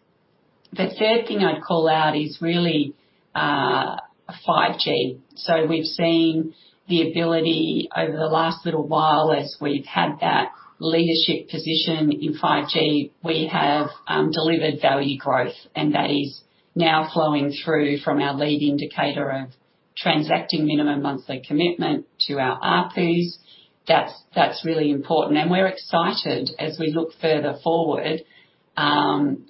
The third thing I'd call out is really 5G. So we've seen the ability over the last little while as we've had that leadership position in 5G. We have delivered value growth, and that is now flowing through from our lead indicator of transacting minimum monthly commitment to our ARPUs. That's really important. We're excited as we look further forward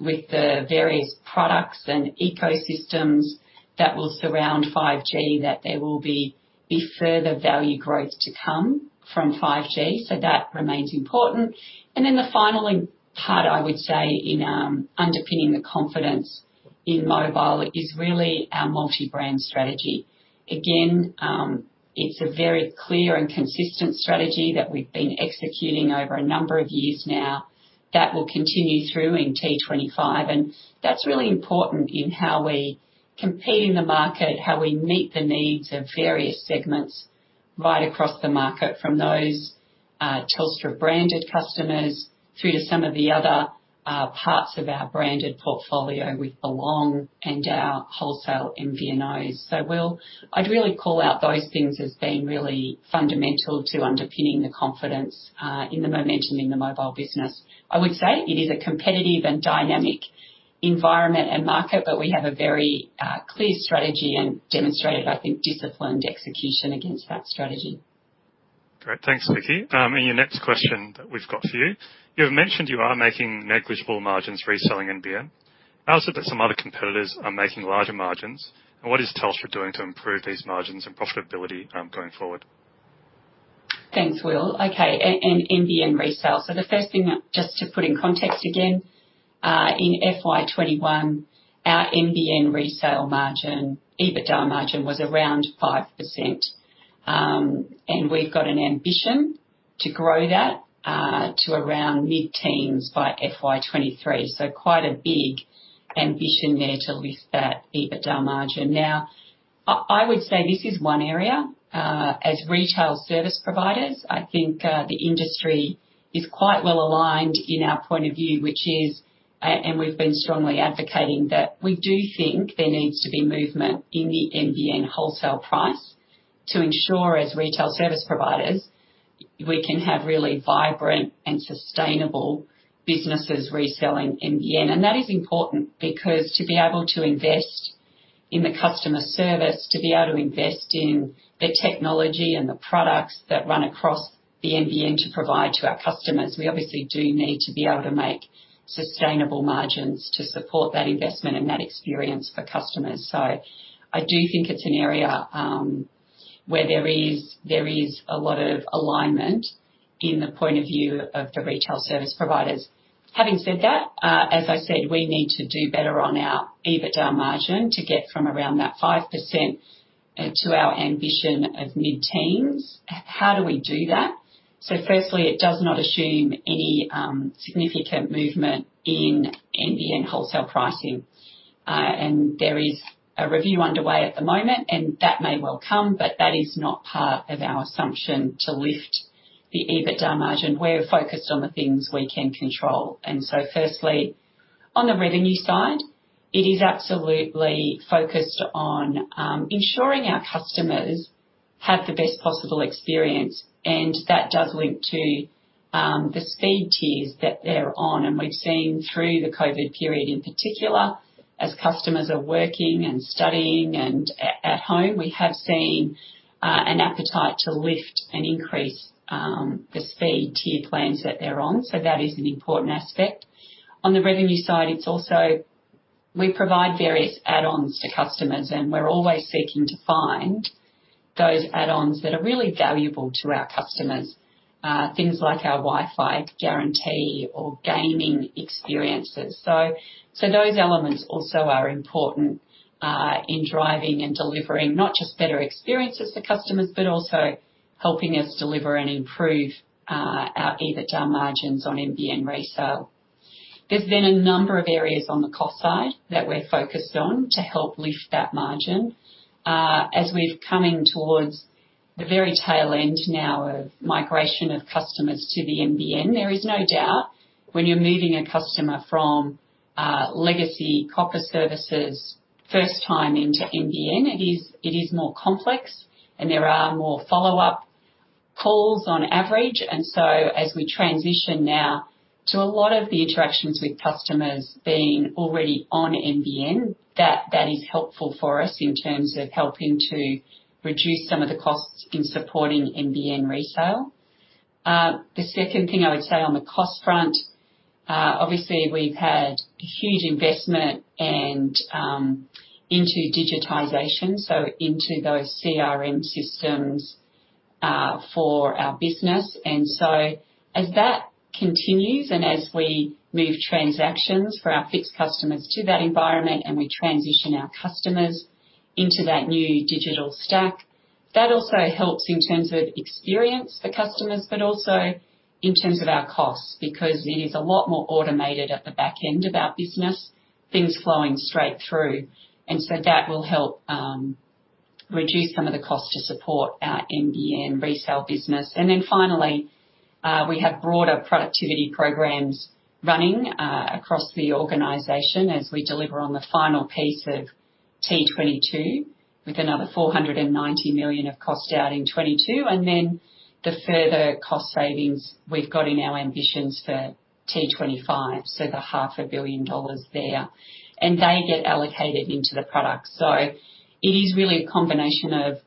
with the various products and ecosystems that will surround 5G, that there will be further value growth to come from 5G. That remains important. Then the final part I would say in underpinning the confidence in mobile is really our multi-brand strategy. Again, it's a very clear and consistent strategy that we've been executing over a number of years now that will continue through in T25. That's really important in how we compete in the market, how we meet the needs of various segments right across the market, from those Telstra branded customers through to some of the other parts of our branded portfolio with Belong and our wholesale MVNOs. I'd really call out those things as being really fundamental to underpinning the confidence in the momentum in the mobile business. I would say it is a competitive and dynamic environment and market, but we have a very clear strategy and demonstrated, I think, disciplined execution against that strategy. Right. Thanks, Vicki. And your next question that we've got for you. You've mentioned you are making negligible margins reselling NBN. How is it that some other competitors are making larger margins? And what is Telstra doing to improve these margins and profitability going forward? Thanks, Will. Okay. And NBN resale. So the first thing, just to put in context again, in FY21, our NBN resale margin, EBITDA margin was around 5%. And we've got an ambition to grow that to around mid-teens by FY23. So quite a big ambition there to lift that EBITDA margin. Now, I would say this is one area. As retail service providers, I think the industry is quite well aligned in our point of view, which is, and we've been strongly advocating that we do think there needs to be movement in the NBN wholesale price to ensure, as retail service providers, we can have really vibrant and sustainable businesses reselling NBN. That is important because to be able to invest in the customer service, to be able to invest in the technology and the products that run across the NBN to provide to our customers, we obviously do need to be able to make sustainable margins to support that investment and that experience for customers. I do think it's an area where there is a lot of alignment in the point of view of the retail service providers. Having said that, as I said, we need to do better on our EBITDA margin to get from around that 5% to our ambition of mid-teens. How do we do that? So firstly, it does not assume any significant movement in NBN wholesale pricing. And there is a review underway at the moment, and that may well come, but that is not part of our assumption to lift the EBITDA margin. We're focused on the things we can control. And so firstly, on the revenue side, it is absolutely focused on ensuring our customers have the best possible experience. And that does link to the speed tiers that they're on. And we've seen through the COVID period in particular, as customers are working and studying and at home, we have seen an appetite to lift and increase the speed tier plans that they're on. So that is an important aspect. On the revenue side, it's also we provide various add-ons to customers, and we're always seeking to find those add-ons that are really valuable to our customers, things like our Wi-Fi guarantee or gaming experiences. So those elements also are important in driving and delivering not just better experiences for customers, but also helping us deliver and improve our EBITDA margins on NBN resale. There's been a number of areas on the cost side that we're focused on to help lift that margin. As we're coming towards the very tail end now of migration of customers to the NBN, there is no doubt when you're moving a customer from legacy copper services first time into NBN, it is more complex, and there are more follow-up calls on average. And so as we transition now to a lot of the interactions with customers being already on NBN, that is helpful for us in terms of helping to reduce some of the costs in supporting NBN resale. The second thing I would say on the cost front, obviously, we've had a huge investment into digitization, so into those CRM systems for our business. And so as that continues and as we move transactions for our fixed customers to that environment and we transition our customers into that new digital stack, that also helps in terms of experience for customers, but also in terms of our costs because it is a lot more automated at the back end of our business, things flowing straight through. And so that will help reduce some of the costs to support our NBN resale business. And then finally, we have broader productivity programs running across the organization as we deliver on the final piece of T22 with another 490 million of cost out in 2022. And then the further cost savings we've got in our ambitions for T25, so the 500 million dollars there, and they get allocated into the product. So it is really a combination of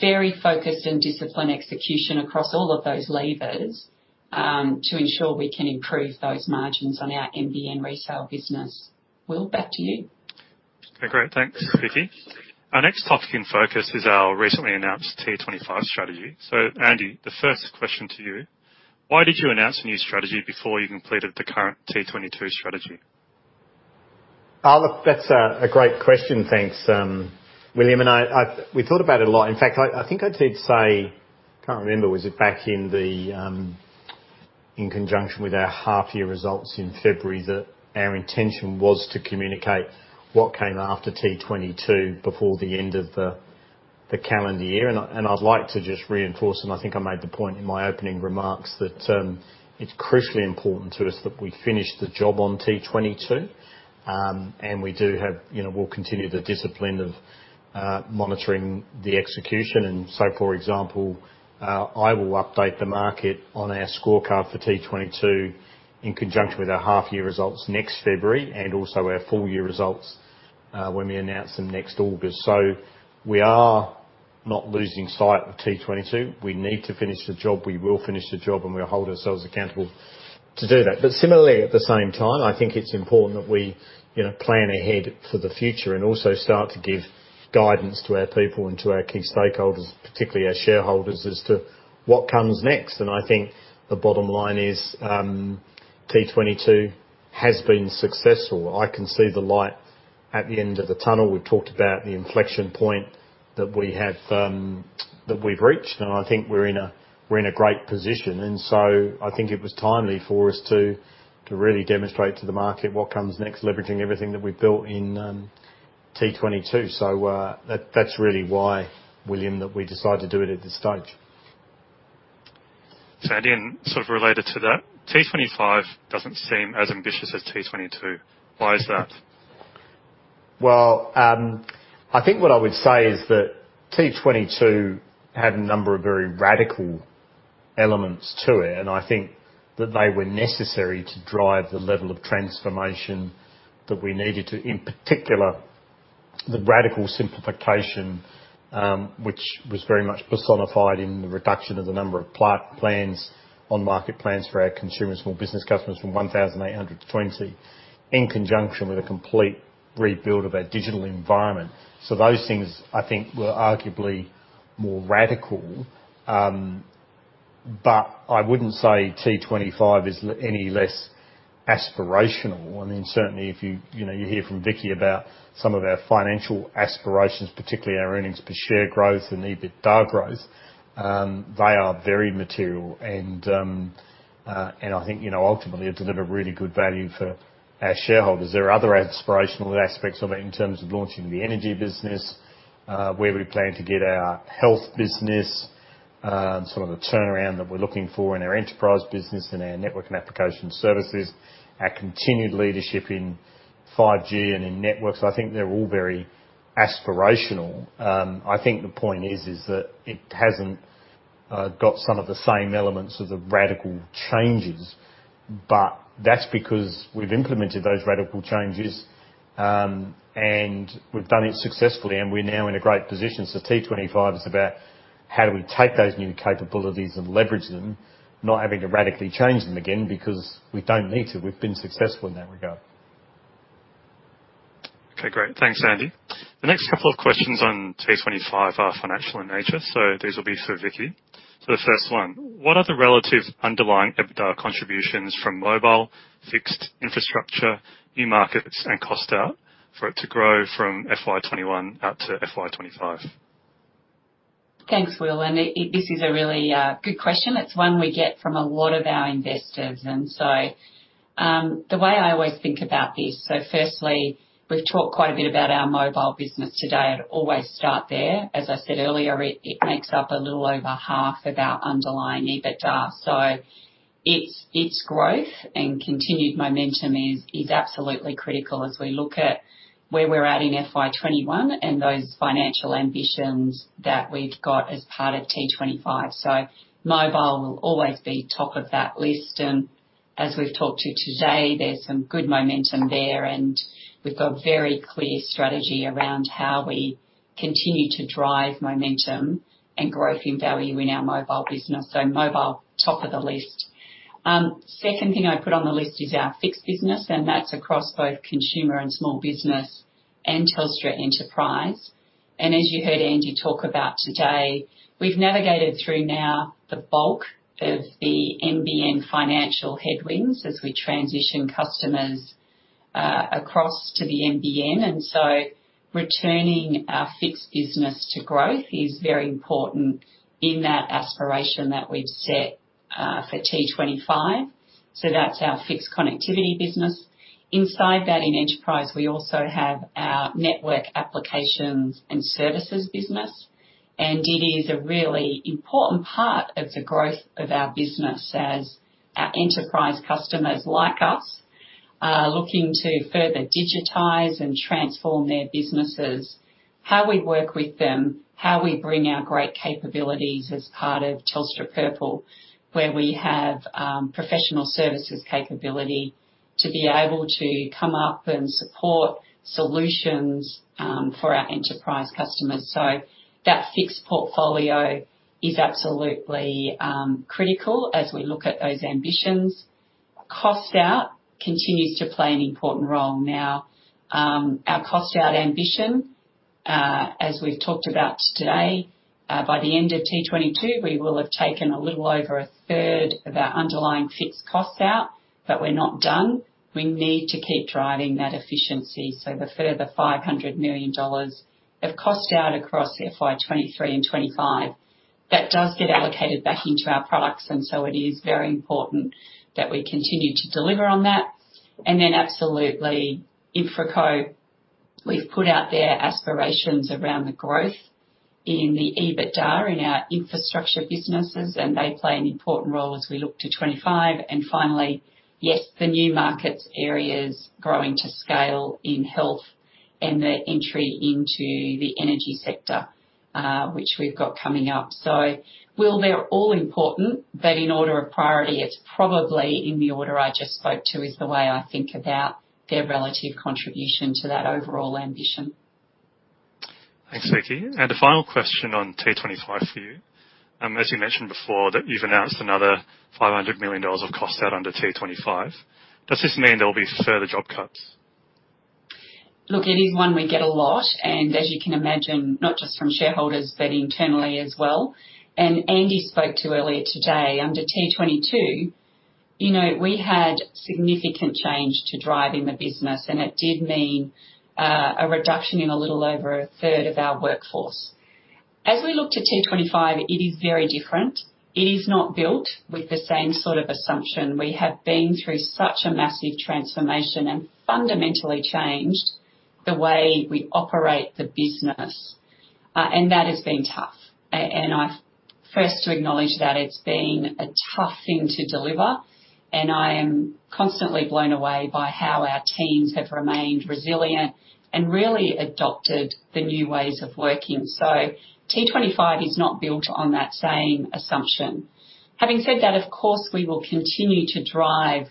very focused and disciplined execution across all of those levers to ensure we can improve those margins on our NBN resale business. Will, back to you. Okay. Great. Thanks, Vicki. Our next topic in focus is our recently announced T25 strategy. So Andy, the first question to you. Why did you announce a new strategy before you completed the current T22 strategy? Look, that's a great question. Thanks, William. And we thought about it a lot. In fact, I think I did say, I can't remember, was it back in conjunction with our half-year results in February that our intention was to communicate what came after T22 before the end of the calendar year. I'd like to just reinforce, and I think I made the point in my opening remarks that it's crucially important to us that we finish the job on T22. We do have we'll continue the discipline of monitoring the execution. So, for example, I will update the market on our scorecard for T22 in conjunction with our half-year results next February and also our full-year results when we announce them next August. We are not losing sight of T22. We need to finish the job. We will finish the job, and we'll hold ourselves accountable to do that. But similarly, at the same time, I think it's important that we plan ahead for the future and also start to give guidance to our people and to our key stakeholders, particularly our shareholders, as to what comes next. And I think the bottom line is T22 has been successful. I can see the light at the end of the tunnel. We've talked about the inflection point that we have that we've reached, and I think we're in a great position. And so I think it was timely for us to really demonstrate to the market what comes next, leveraging everything that we've built in T22. So that's really why, William, that we decided to do it at this stage. So again, sort of related to that, T25 doesn't seem as ambitious as T22. Why is that? Well, I think what I would say is that T22 had a number of very radical elements to it, and I think that they were necessary to drive the level of transformation that we needed to, in particular, the radical simplification, which was very much personified in the reduction of the number of plans on market plans for our consumers, more business customers from 1,800 to 20, in conjunction with a complete rebuild of our digital environment. So those things, I think, were arguably more radical. But I wouldn't say T25 is any less aspirational. I mean, certainly, if you hear from Vicki about some of our financial aspirations, particularly our earnings per share growth and EBITDA growth, they are very material. And I think, ultimately, it delivered really good value for our shareholders. There are other aspirational aspects of it in terms of launching the energy business, where we plan to get our health business, sort of the turnaround that we're looking for in our enterprise business and our network and application services, our continued leadership in 5G and in networks. I think they're all very aspirational. I think the point is that it hasn't got some of the same elements of the radical changes. But that's because we've implemented those radical changes, and we've done it successfully, and we're now in a great position. So T25 is about how do we take those new capabilities and leverage them, not having to radically change them again because we don't need to. We've been successful in that regard. Okay. Great. Thanks, Andy. The next couple of questions on T25 are financial in nature. So these will be for Vicki. So the first one, what are the relative underlying EBITDA contributions from mobile, fixed infrastructure, new markets, and cost out for it to grow from FY21 out to FY25? Thanks, Will. This is a really good question. It's one we get from a lot of our investors. So the way I always think about this, so firstly, we've talked quite a bit about our mobile business today. I'd always start there. As I said earlier, it makes up a little over half of our underlying EBITDA. So its growth and continued momentum is absolutely critical as we look at where we're at in FY21 and those financial ambitions that we've got as part of T25. So mobile will always be top of that list. And as we've talked about today, there's some good momentum there. We've got a very clear strategy around how we continue to drive momentum and growth in value in our mobile business. So mobile, top of the list. Second thing I put on the list is our fixed business, and that's across both consumer and small business and Telstra Enterprise. And as you heard Andy talk about today, we've navigated through now the bulk of the NBN financial headwinds as we transition customers across to the NBN. And so returning our fixed business to growth is very important in that aspiration that we've set for T25. So that's our fixed connectivity business. Inside that, in enterprise, we also have our network applications and services business. It is a really important part of the growth of our business as our enterprise customers like us are looking to further digitize and transform their businesses, how we work with them, how we bring our great capabilities as part of Telstra Purple, where we have professional services capability to be able to come up and support solutions for our enterprise customers. So that fixed portfolio is absolutely critical as we look at those ambitions. Cost out continues to play an important role. Now, our cost out ambition, as we've talked about today, by the end of T22, we will have taken a little over a third of our underlying fixed cost out, but we're not done. We need to keep driving that efficiency. So the further 500 million dollars of cost out across FY 2023 and 2025, that does get allocated back into our products. And so it is very important that we continue to deliver on that. And then absolutely, InfraCo, we've put out their aspirations around the growth in the EBITDA in our infrastructure businesses, and they play an important role as we look to 2025. And finally, yes, the new markets areas growing to scale in health and the entry into the energy sector, which we've got coming up. So, Will, they're all important, but in order of priority, it's probably in the order I just spoke to is the way I think about their relative contribution to that overall ambition. Thanks, Vicki. And a final question on T25 for you. As you mentioned before, that you've announced another 500 million dollars of cost out under T25. Does this mean there will be further job cuts? Look, it is one we get a lot. And as you can imagine, not just from shareholders, but internally as well. Andy spoke to earlier today; under T22, we had significant change to drive in the business, and it did mean a reduction in a little over a third of our workforce. As we look to T25, it is very different. It is not built with the same sort of assumption. We have been through such a massive transformation and fundamentally changed the way we operate the business. And that has been tough. And I'm first to acknowledge that it's been a tough thing to deliver. And I am constantly blown away by how our teams have remained resilient and really adopted the new ways of working. T25 is not built on that same assumption. Having said that, of course, we will continue to drive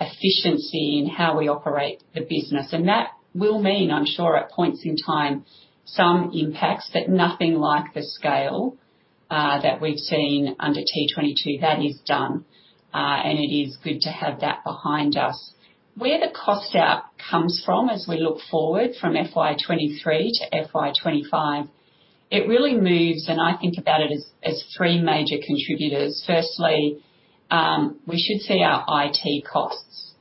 efficiency in how we operate the business. And that will mean, I'm sure, at points in time, some impacts, but nothing like the scale that we've seen under T22. That is done. And it is good to have that behind us. Where the cost out comes from as we look forward from FY23 to FY25, it really moves, and I think about it as three major contributors. Firstly, we should see our IT costs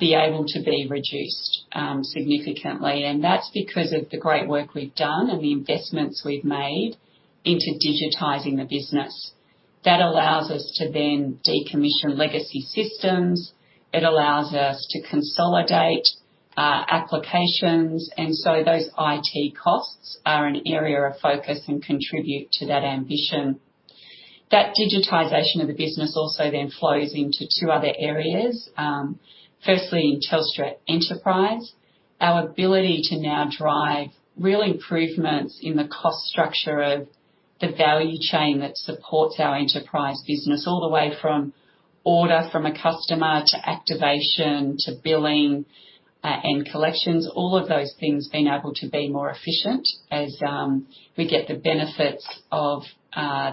be able to be reduced significantly. And that's because of the great work we've done and the investments we've made into digitizing the business. That allows us to then decommission legacy systems. It allows us to consolidate applications. And so those IT costs are an area of focus and contribute to that ambition. That digitization of the business also then flows into two other areas. Firstly, in Telstra Enterprise, our ability to now drive real improvements in the cost structure of the value chain that supports our enterprise business, all the way from order from a customer to activation to billing and collections, all of those things being able to be more efficient as we get the benefits of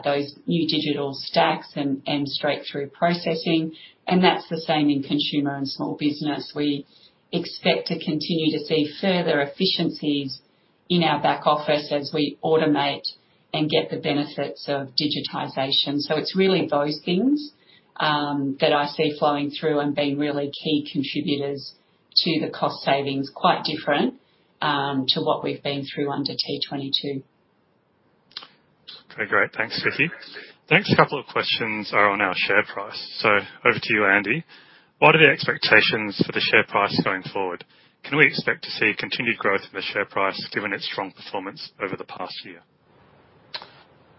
those new digital stacks and straight-through processing. And that's the same in consumer and small business. We expect to continue to see further efficiencies in our back office as we automate and get the benefits of digitization. So it's really those things that I see flowing through and being really key contributors to the cost savings, quite different to what we've been through under T22. Okay. Great. Thanks, Vicki. Thanks. A couple of questions are on our share price. So over to you, Andy. What are the expectations for the share price going forward? Can we expect to see continued growth in the share price given its strong performance over the past year?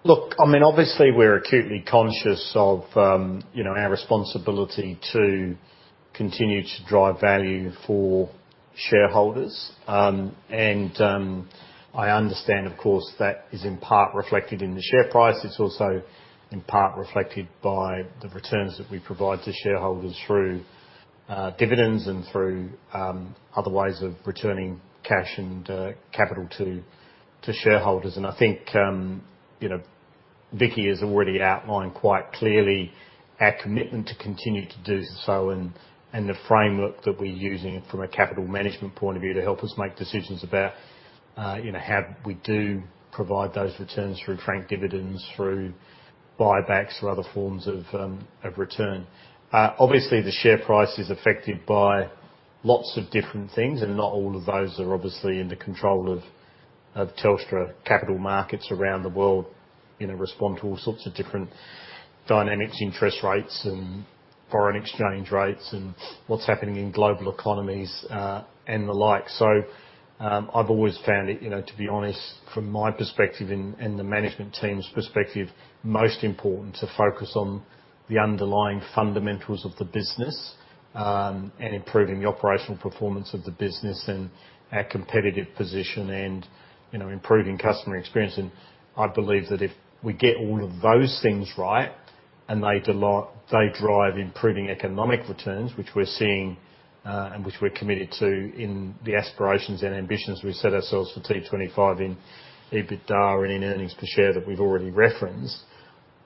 Look, I mean, obviously, we're acutely conscious of our responsibility to continue to drive value for shareholders. And I understand, of course, that is in part reflected in the share price. It's also in part reflected by the returns that we provide to shareholders through dividends and through other ways of returning cash and capital to shareholders. And I think Vicki has already outlined quite clearly our commitment to continue to do so, and the framework that we're using from a capital management point of view to help us make decisions about how we do provide those returns through franked dividends, through buybacks, or other forms of return. Obviously, the share price is affected by lots of different things, and not all of those are obviously in the control of Telstra. Capital markets around the world respond to all sorts of different dynamics, interest rates, and foreign exchange rates, and what's happening in global economies and the like. So I've always found it, to be honest, from my perspective and the management team's perspective, most important to focus on the underlying fundamentals of the business and improving the operational performance of the business and our competitive position and improving customer experience. I believe that if we get all of those things right and they drive improving economic returns, which we're seeing and which we're committed to in the aspirations and ambitions we set ourselves for T25 in EBITDA and in earnings per share that we've already referenced,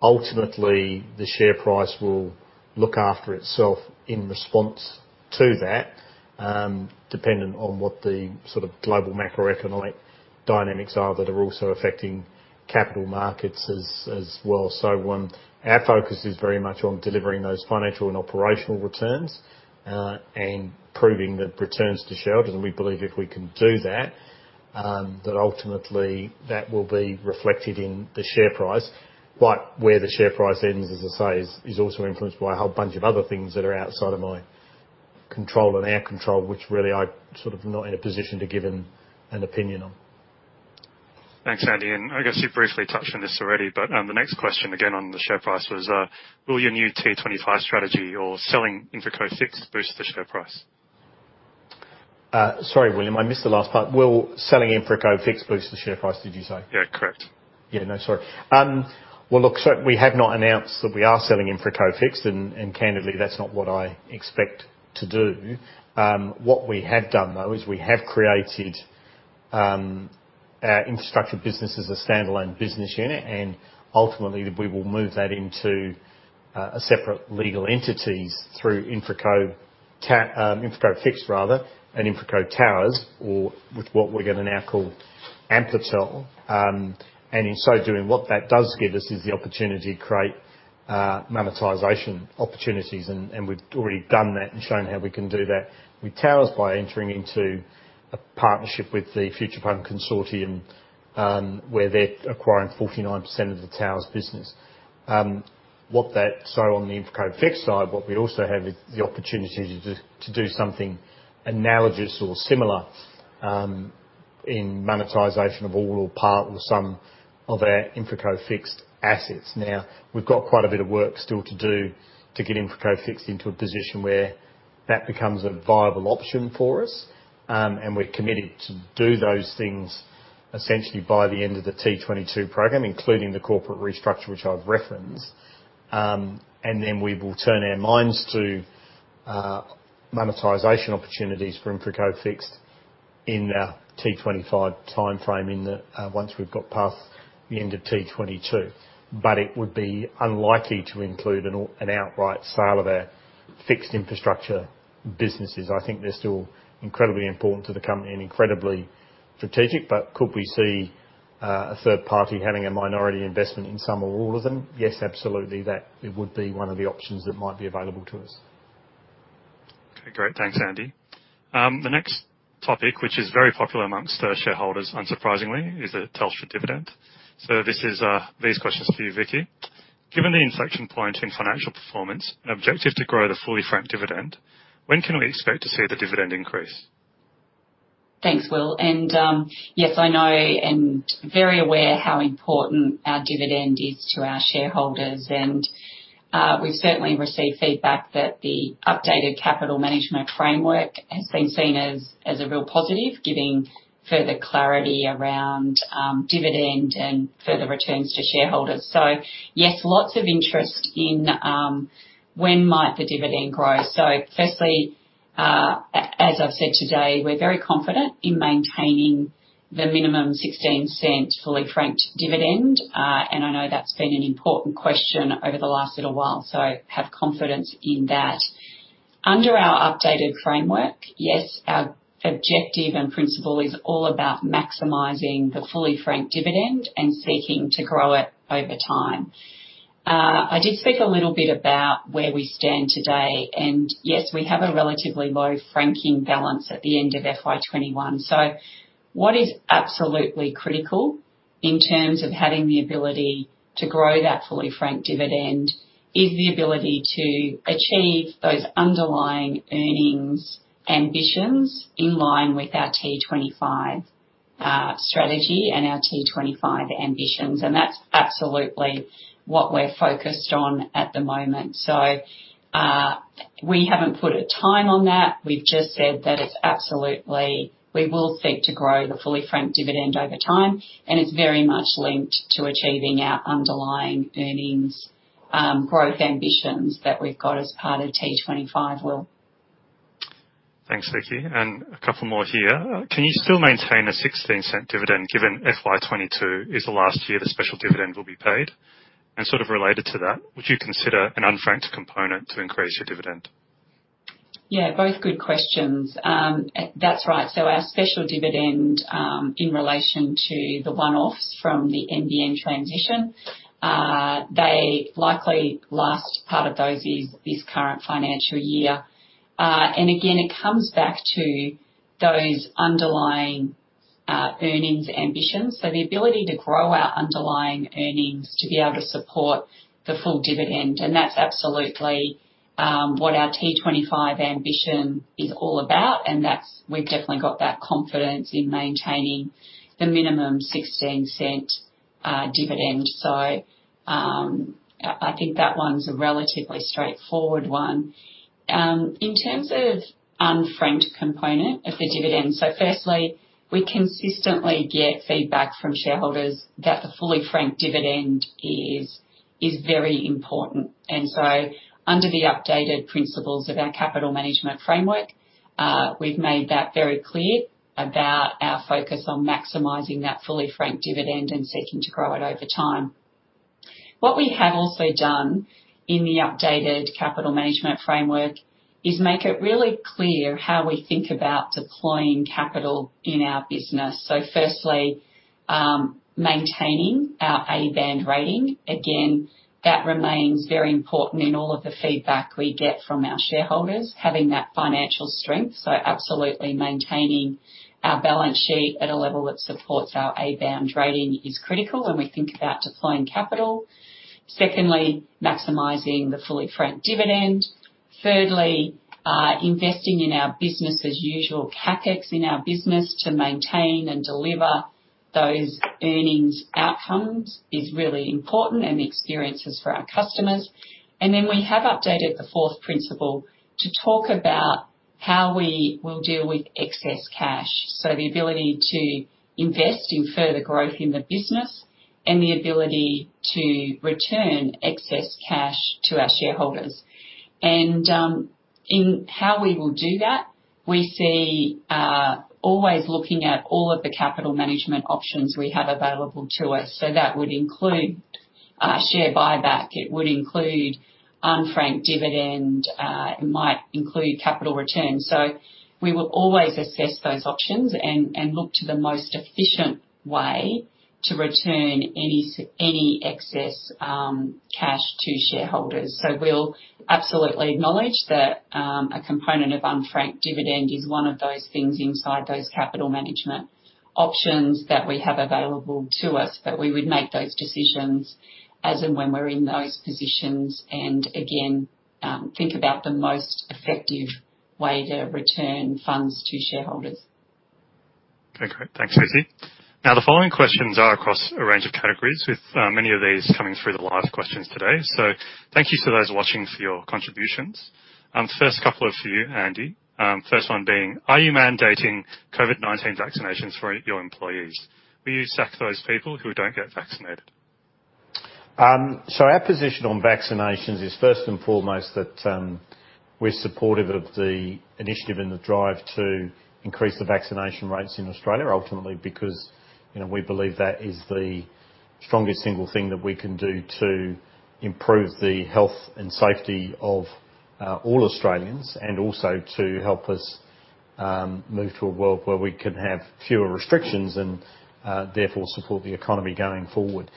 ultimately, the share price will look after itself in response to that, dependent on what the sort of global macroeconomic dynamics are that are also affecting capital markets as well. Our focus is very much on delivering those financial and operational returns and proving that returns to shareholders. We believe if we can do that, that ultimately, that will be reflected in the share price. But where the share price ends, as I say, is also influenced by a whole bunch of other things that are outside of my control and our control, which really I'm sort of not in a position to give an opinion on. Thanks, Andy. And I guess you briefly touched on this already, but the next question again on the share price was, will your new T25 strategy or selling InfraCo Fixed boost the share price? Sorry, William. I missed the last part. Will selling InfraCo Fixed boost the share price, did you say? Yeah, correct. Yeah, no, sorry. Well, look, so we have not announced that we are selling InfraCo Fixed, and candidly, that's not what I expect to do. What we have done, though, is we have created our infrastructure business as a standalone business unit. And ultimately, we will move that into a separate legal entity through InfraCo Fixed, rather, and InfraCo Towers, or with what we're going to now call Amplitel. And in so doing, what that does give us is the opportunity to create monetization opportunities. And we've already done that and shown how we can do that with Towers by entering into a partnership with the Future Fund Consortium, where they're acquiring 49% of the Towers business. So on the InfraCo Fixed side, what we also have is the opportunity to do something analogous or similar in monetization of all or part or some of our InfraCo Fixed assets. Now, we've got quite a bit of work still to do to get InfraCo Fixed into a position where that becomes a viable option for us. We're committed to do those things essentially by the end of the T22 program, including the corporate restructure, which I've referenced. Then we will turn our minds to monetization opportunities for InfraCo Fixed in the T25 timeframe once we've got past the end of T22. It would be unlikely to include an outright sale of our fixed infrastructure businesses. I think they're still incredibly important to the company and incredibly strategic. Could we see a third party having a minority investment in some or all of them? Yes, absolutely. That would be one of the options that might be available to us. Okay. Great. Thanks, Andy. The next topic, which is very popular among shareholders, unsurprisingly, is the Telstra dividend. These questions for you, Vicki. Given the inflection point in financial performance and objective to grow the fully franked dividend, when can we expect to see the dividend increase? Thanks, Will. And yes, I know and very aware how important our dividend is to our shareholders. And we've certainly received feedback that the updated capital management framework has been seen as a real positive, giving further clarity around dividend and further returns to shareholders. So yes, lots of interest in when might the dividend grow. So firstly, as I've said today, we're very confident in maintaining the minimum 0.16 fully franked dividend. And I know that's been an important question over the last little while, so have confidence in that. Under our updated framework, yes, our objective and principle is all about maximizing the fully franked dividend and seeking to grow it over time. I did speak a little bit about where we stand today. And yes, we have a relatively low franking balance at the end of FY21. So what is absolutely critical in terms of having the ability to grow that fully franked dividend is the ability to achieve those underlying earnings ambitions in line with our T25 strategy and our T25 ambitions. And that's absolutely what we're focused on at the moment. So we haven't put a time on that. We've just said that it's absolutely we will seek to grow the fully franked dividend over time. And it's very much linked to achieving our underlying earnings growth ambitions that we've got as part of T25, Will. Thanks, Vicki. And a couple more here. Can you still maintain an 0.16 dividend given FY22 is the last year the special dividend will be paid? And sort of related to that, would you consider an unfranked component to increase your dividend? Yeah, both good questions. That's right. So our special dividend in relation to the one-offs from the NBN transition, the likely last part of those is this current financial year. Again, it comes back to those underlying earnings ambitions. So the ability to grow our underlying earnings to be able to support the full dividend. And that's absolutely what our T25 ambition is all about. And we've definitely got that confidence in maintaining the minimum 0.16 dividend. So I think that one's a relatively straightforward one. In terms of unfranked component of the dividend, so firstly, we consistently get feedback from shareholders that the fully franked dividend is very important. Under the updated principles of our capital management framework, we've made that very clear about our focus on maximizing that fully franked dividend and seeking to grow it over time. What we have also done in the updated capital management framework is make it really clear how we think about deploying capital in our business. So firstly, maintaining our A-band rating. Again, that remains very important in all of the feedback we get from our shareholders, having that financial strength. So absolutely maintaining our balance sheet at a level that supports our A-band rating is critical when we think about deploying capital. Secondly, maximizing the fully franked dividend. Thirdly, investing in our business as usual, CapEx in our business to maintain and deliver those earnings outcomes is really important and experiences for our customers. And then we have updated the fourth principle to talk about how we will deal with excess cash. So the ability to invest in further growth in the business and the ability to return excess cash to our shareholders. And in how we will do that, we see always looking at all of the capital management options we have available to us. So that would include share buyback. It would include unfranked dividend. It might include capital return. So we will always assess those options and look to the most efficient way to return any excess cash to shareholders. So we'll absolutely acknowledge that a component of unfranked dividend is one of those things inside those capital management options that we have available to us. But we would make those decisions as and when we're in those positions and again, think about the most effective way to return funds to shareholders. Okay. Great. Thanks, Vicki. Now, the following questions are across a range of categories, with many of these coming through the live questions today. So thank you to those watching for your contributions. First couple of you, Andy. First one being, are you mandating COVID-19 vaccinations for your employees? Will you sack those people who don't get vaccinated? Our position on vaccinations is first and foremost that we're supportive of the initiative and the drive to increase the vaccination rates in Australia, ultimately, because we believe that is the strongest single thing that we can do to improve the health and safety of all Australians and also to help us move to a world where we can have fewer restrictions and therefore support the economy going forward.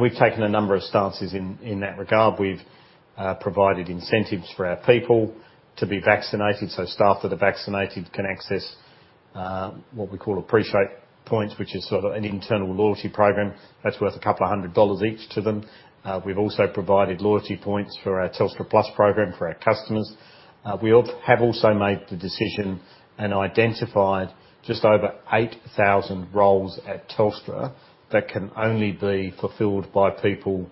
We've taken a number of stances in that regard. We've provided incentives for our people to be vaccinated so staff that are vaccinated can access what we call Appreciate points, which is sort of an internal loyalty program. That's worth a couple of hundred AUD each to them. We've also provided loyalty points for our Telstra Plus program for our customers. We have also made the decision and identified just over 8,000 roles at Telstra that can only be fulfilled by people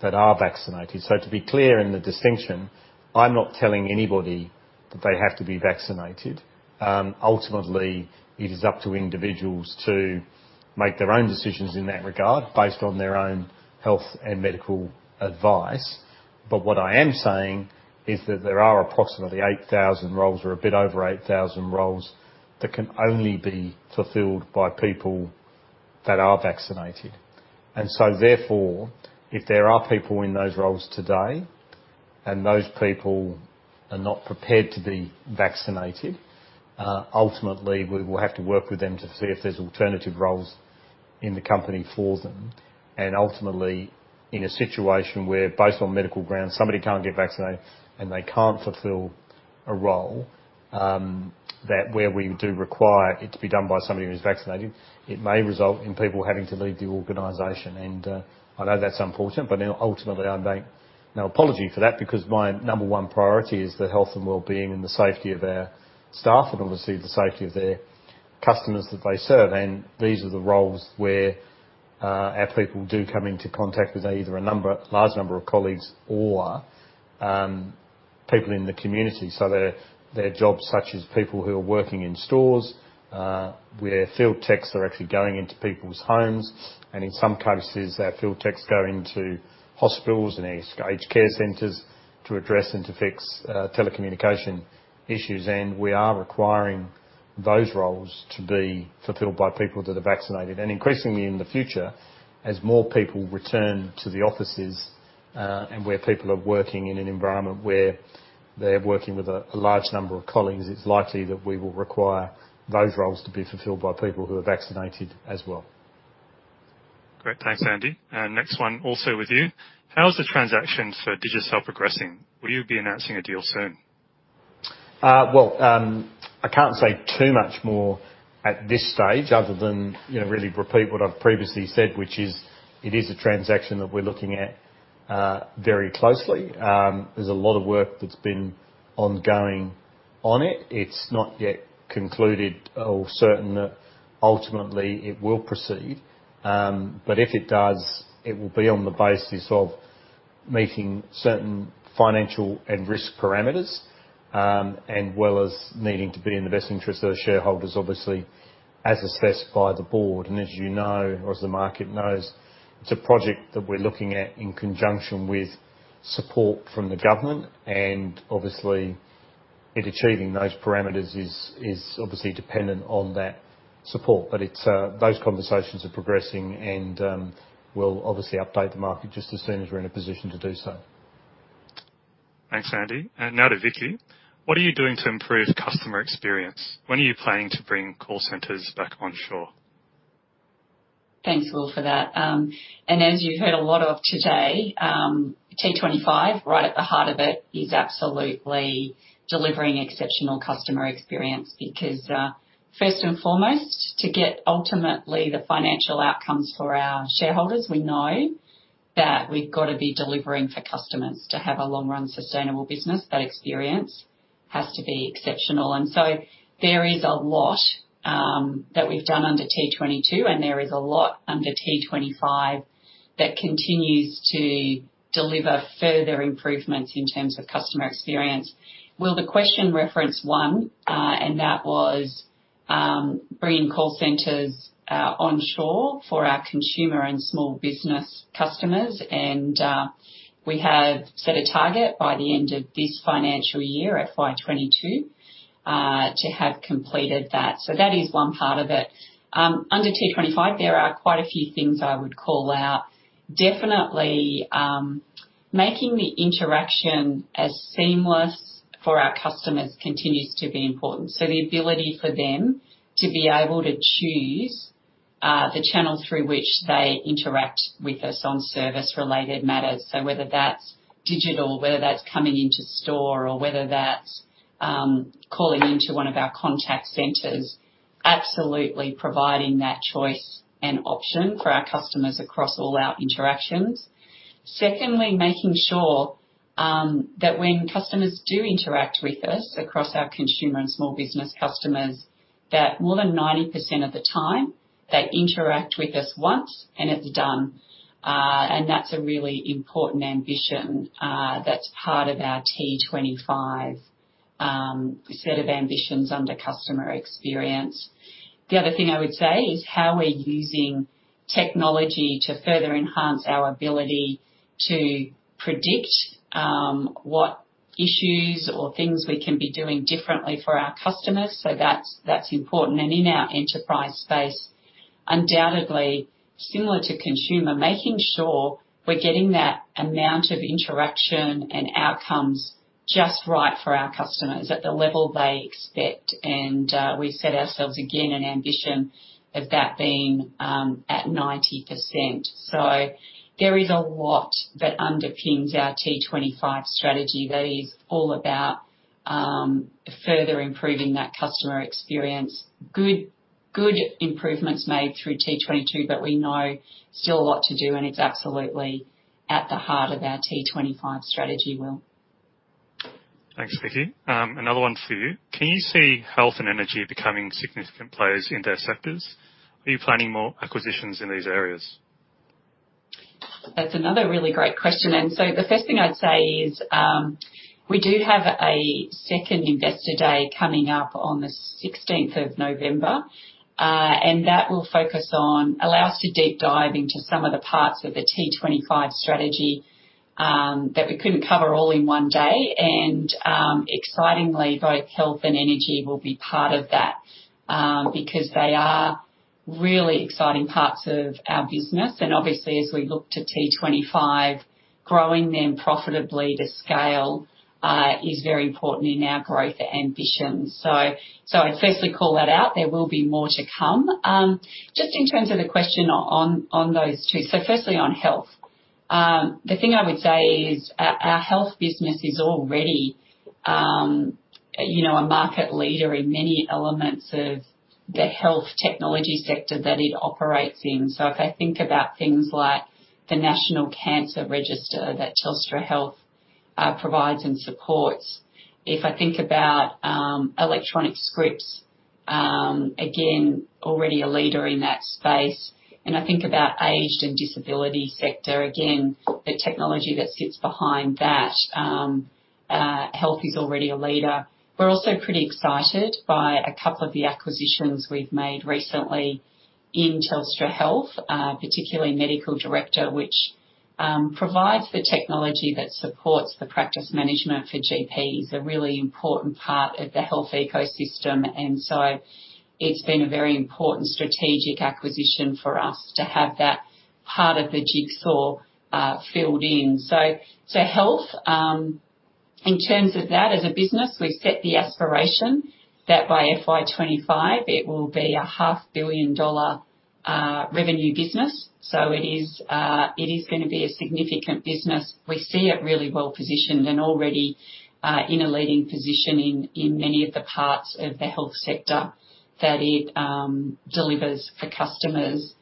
that are vaccinated. To be clear in the distinction, I'm not telling anybody that they have to be vaccinated. Ultimately, it is up to individuals to make their own decisions in that regard based on their own health and medical advice. What I am saying is that there are approximately 8,000 roles or a bit over 8,000 roles that can only be fulfilled by people that are vaccinated. So therefore, if there are people in those roles today and those people are not prepared to be vaccinated, ultimately, we will have to work with them to see if there's alternative roles in the company for them. Ultimately, in a situation where, based on medical grounds, somebody can't get vaccinated and they can't fulfill a role, that where we do require it to be done by somebody who is vaccinated, it may result in people having to leave the organization. I know that's unfortunate, but ultimately, I make no apology for that because my number one priority is the health and well-being and the safety of our staff and obviously the safety of their customers that they serve. These are the roles where our people do come into contact with either a large number of colleagues or people in the community. So their jobs, such as people who are working in stores where field techs are actually going into people's homes. In some cases, our field techs go into hospitals and aged care centers to address and to fix telecommunication issues. We are requiring those roles to be fulfilled by people that are vaccinated. Increasingly in the future, as more people return to the offices and where people are working in an environment where they're working with a large number of colleagues, it's likely that we will require those roles to be fulfilled by people who are vaccinated as well. Great. Thanks, Andy. Next one, also with you. How is the transaction for Digicel progressing? Will you be announcing a deal soon? Well, I can't say too much more at this stage other than really repeat what I've previously said, which is it is a transaction that we're looking at very closely. There's a lot of work that's been ongoing on it. It's not yet concluded or certain that ultimately it will proceed. But if it does, it will be on the basis of meeting certain financial and risk parameters as well as needing to be in the best interest of the shareholders, obviously, as assessed by the board. And as you know, or as the market knows, it's a project that we're looking at in conjunction with support from the government. And obviously, achieving those parameters is obviously dependent on that support. But those conversations are progressing, and we'll obviously update the market just as soon as we're in a position to do so. Thanks, Andy. And now to Vicki. What are you doing to improve customer experience? When are you planning to bring call centers back onshore? Thanks, Will, for that. As you've heard a lot of today, T25, right at the heart of it, is absolutely delivering exceptional customer experience because, first and foremost, to get ultimately the financial outcomes for our shareholders, we know that we've got to be delivering for customers to have a long-run sustainable business. That experience has to be exceptional. So there is a lot that we've done under T22, and there is a lot under T25 that continues to deliver further improvements in terms of customer experience. Will, the question referenced one, and that was bringing call centres onshore for our consumer and small business customers. We have set a target by the end of this financial year, FY 2022, to have completed that. So that is one part of it. Under T25, there are quite a few things I would call out. Definitely, making the interaction as seamless for our customers continues to be important. So the ability for them to be able to choose the channel through which they interact with us on service-related matters. So whether that's digital, whether that's coming into store, or whether that's calling into one of our contact centers, absolutely providing that choice and option for our customers across all our interactions. Secondly, making sure that when customers do interact with us across our consumer and small business customers, that more than 90% of the time they interact with us once and it's done. And that's a really important ambition that's part of our T25 set of ambitions under customer experience. The other thing I would say is how we're using technology to further enhance our ability to predict what issues or things we can be doing differently for our customers. So that's important. In our enterprise space, undoubtedly similar to consumer, making sure we're getting that amount of interaction and outcomes just right for our customers at the level they expect. We set ourselves again an ambition of that being at 90%. There is a lot that underpins our T25 strategy that is all about further improving that customer experience. Good improvements made through T22, but we know still a lot to do, and it's absolutely at the heart of our T25 strategy, Will. Thanks, Vicki. Another one for you. Can you see health and energy becoming significant players in their sectors? Are you planning more acquisitions in these areas? That's another really great question. And so, the first thing I'd say is we do have a second investor day coming up on the 16th of November, and that will focus on allow us to deep dive into some of the parts of the T25 strategy that we couldn't cover all in one day. And excitingly, both health and energy will be part of that because they are really exciting parts of our business. And obviously, as we look to T25, growing them profitably to scale is very important in our growth ambitions. So I'd firstly call that out. There will be more to come. Just in terms of the question on those two, so firstly on health, the thing I would say is our health business is already a market leader in many elements of the health technology sector that it operates in. So if I think about things like the National Cancer Register that Telstra Health provides and supports, if I think about electronic scripts, again, already a leader in that space. And I think about aged and disability sector, again, the technology that sits behind that, health is already a leader. We're also pretty excited by a couple of the acquisitions we've made recently in Telstra Health, particularly MedicalDirector, which provides the technology that supports the practice management for GPs. A really important part of the health ecosystem. And so it's been a very important strategic acquisition for us to have that part of the jigsaw filled in. So health, in terms of that as a business, we've set the aspiration that by FY25, it will be a 500 million dollar revenue business. So it is going to be a significant business. We see it really well positioned and already in a leading position in many of the parts of the health sector that it delivers for customers.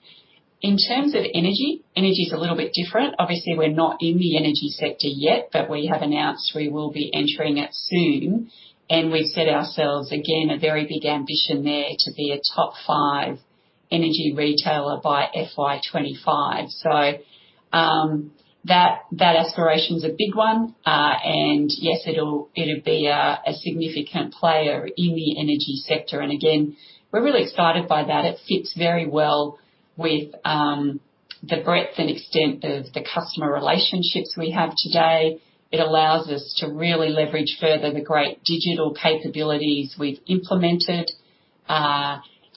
In terms of energy, energy is a little bit different. Obviously, we're not in the energy sector yet, but we have announced we will be entering it soon. And we've set ourselves, again, a very big ambition there to be a top five energy retailer by FY25. So that aspiration is a big one. And yes, it'll be a significant player in the energy sector. And again, we're really excited by that. It fits very well with the breadth and extent of the customer relationships we have today. It allows us to really leverage further the great digital capabilities we've implemented.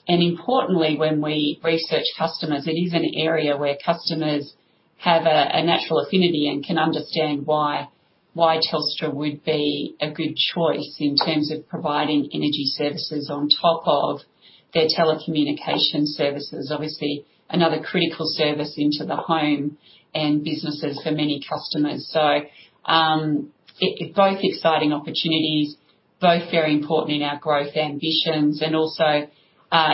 Importantly, when we research customers, it is an area where customers have a natural affinity and can understand why Telstra would be a good choice in terms of providing energy services on top of their telecommunication services. Obviously, another critical service into the home and businesses for many customers. Both exciting opportunities, both very important in our growth ambitions. Also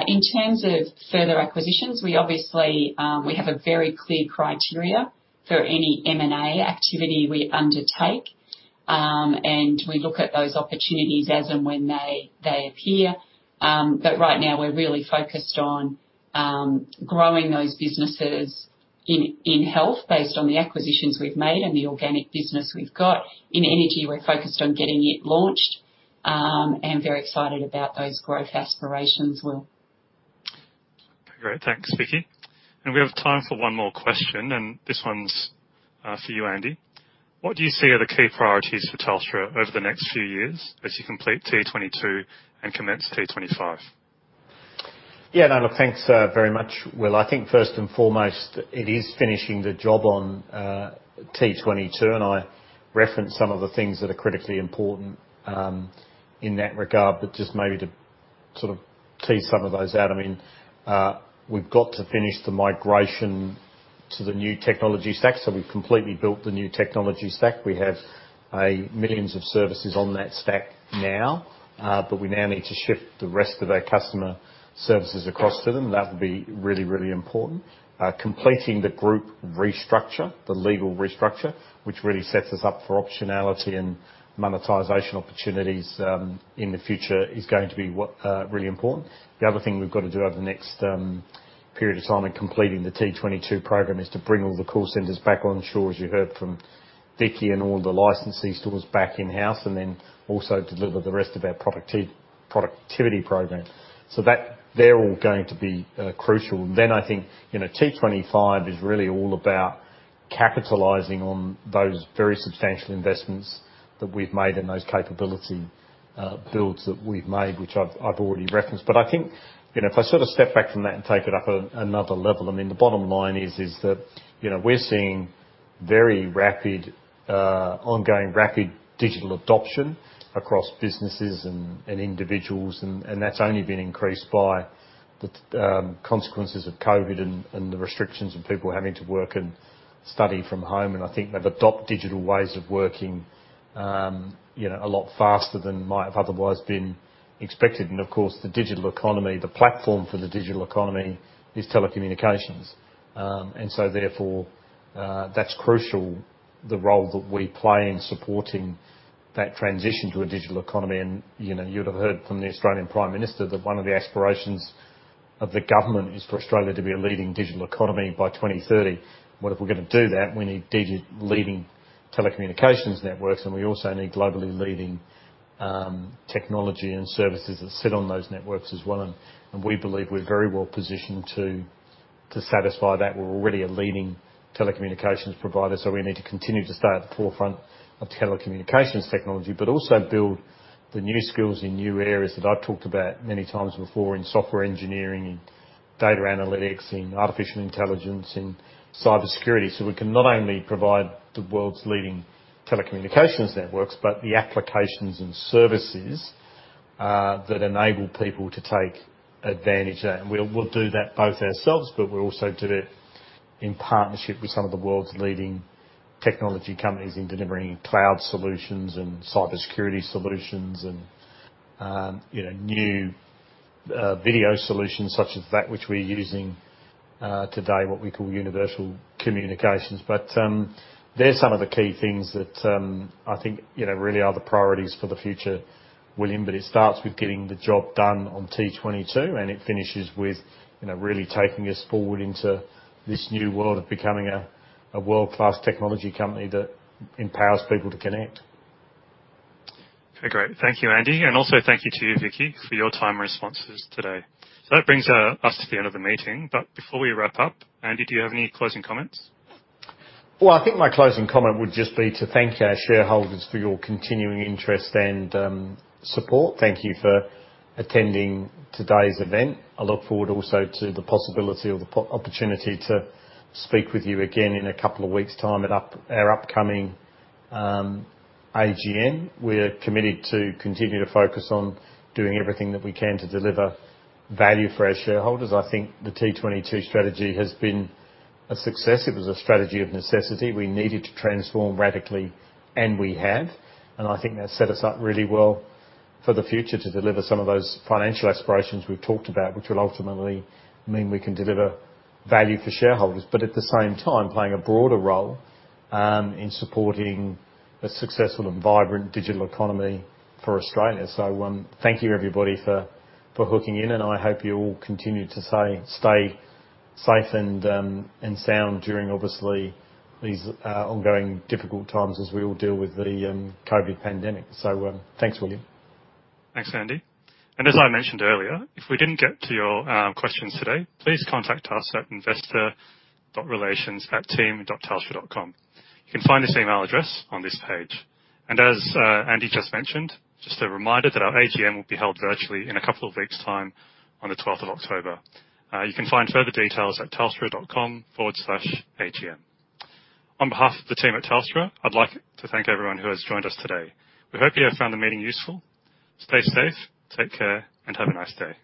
in terms of further acquisitions, we obviously have a very clear criteria for any M&A activity we undertake. And we look at those opportunities as and when they appear. But right now, we're really focused on growing those businesses in health based on the acquisitions we've made and the organic business we've got. In energy, we're focused on getting it launched and very excited about those growth aspirations, Will. Okay. Great. Thanks, Vicki. And we have time for one more question. And this one's for you, Andy. What do you see are the key priorities for Telstra over the next few years as you complete T22 and commence T25? Yeah. No, look, thanks very much, Will. I think first and foremost, it is finishing the job on T22. I referenced some of the things that are critically important in that regard, but just maybe to sort of tease some of those out. I mean, we've got to finish the migration to the new technology stack. So we've completely built the new technology stack. We have millions of services on that stack now, but we now need to shift the rest of our customer services across to them. That will be really, really important. Completing the group restructure, the legal restructure, which really sets us up for optionality and monetization opportunities in the future is going to be really important. The other thing we've got to do over the next period of time in completing the T22 program is to bring all the call centers back onshore, as you heard from Vicki and all the licensee stores back in-house, and then also deliver the rest of our productivity program. So they're all going to be crucial. And then I think T25 is really all about capitalizing on those very substantial investments that we've made and those capability builds that we've made, which I've already referenced. But I think if I sort of step back from that and take it up another level, I mean, the bottom line is that we're seeing very rapid ongoing rapid digital adoption across businesses and individuals. And that's only been increased by the consequences of COVID and the restrictions of people having to work and study from home. I think they've adopted digital ways of working a lot faster than might have otherwise been expected. And of course, the digital economy, the platform for the digital economy is telecommunications. And so therefore, that's crucial, the role that we play in supporting that transition to a digital economy. And you would have heard from the Australian Prime Minister that one of the aspirations of the government is for Australia to be a leading digital economy by 2030. What if we're going to do that? We need leading telecommunications networks, and we also need globally leading technology and services that sit on those networks as well. And we believe we're very well positioned to satisfy that. We're already a leading telecommunications provider. So we need to continue to stay at the forefront of telecommunications technology, but also build the new skills in new areas that I've talked about many times before in software engineering, in data analytics, in artificial intelligence, in cybersecurity. So we can not only provide the world's leading telecommunications networks, but the applications and services that enable people to take advantage of that. And we'll do that both ourselves, but we'll also do it in partnership with some of the world's leading technology companies in delivering cloud solutions and cybersecurity solutions and new video solutions such as that, which we're using today, what we call universal communications. But they're some of the key things that I think really are the priorities for the future, William. But it starts with getting the job done on T22, and it finishes with really taking us forward into this new world of becoming a world-class technology company that empowers people to connect. Okay. Great. Thank you, Andy. And also thank you to you, Vicki, for your time and responses today. So that brings us to the end of the meeting. But before we wrap up, Andy, do you have any closing comments? Well, I think my closing comment would just be to thank our shareholders for your continuing interest and support. Thank you for attending today's event. I look forward also to the possibility or the opportunity to speak with you again in a couple of weeks' time at our upcoming AGM. We're committed to continue to focus on doing everything that we can to deliver value for our shareholders. I think the T22 strategy has been a success. It was a strategy of necessity. We needed to transform radically, and we have. And I think that set us up really well for the future to deliver some of those financial aspirations we've talked about, which will ultimately mean we can deliver value for shareholders, but at the same time, playing a broader role in supporting a successful and vibrant digital economy for Australia. So thank you, everybody, for hooking in. And I hope you all continue to stay safe and sound during, obviously, these ongoing difficult times as we all deal with the COVID pandemic. So thanks, William. Thanks, Andy. And as I mentioned earlier, if we didn't get to your questions today, please contact us at investor.relations@team.telstra.com. You can find this email address on this page. As Andy just mentioned, just a reminder that our AGM will be held virtually in a couple of weeks' time on the 12th of October. You can find further details at telstra.com/agm. On behalf of the team at Telstra, I'd like to thank everyone who has joined us today. We hope you have found the meeting useful. Stay safe, take care, and have a nice day.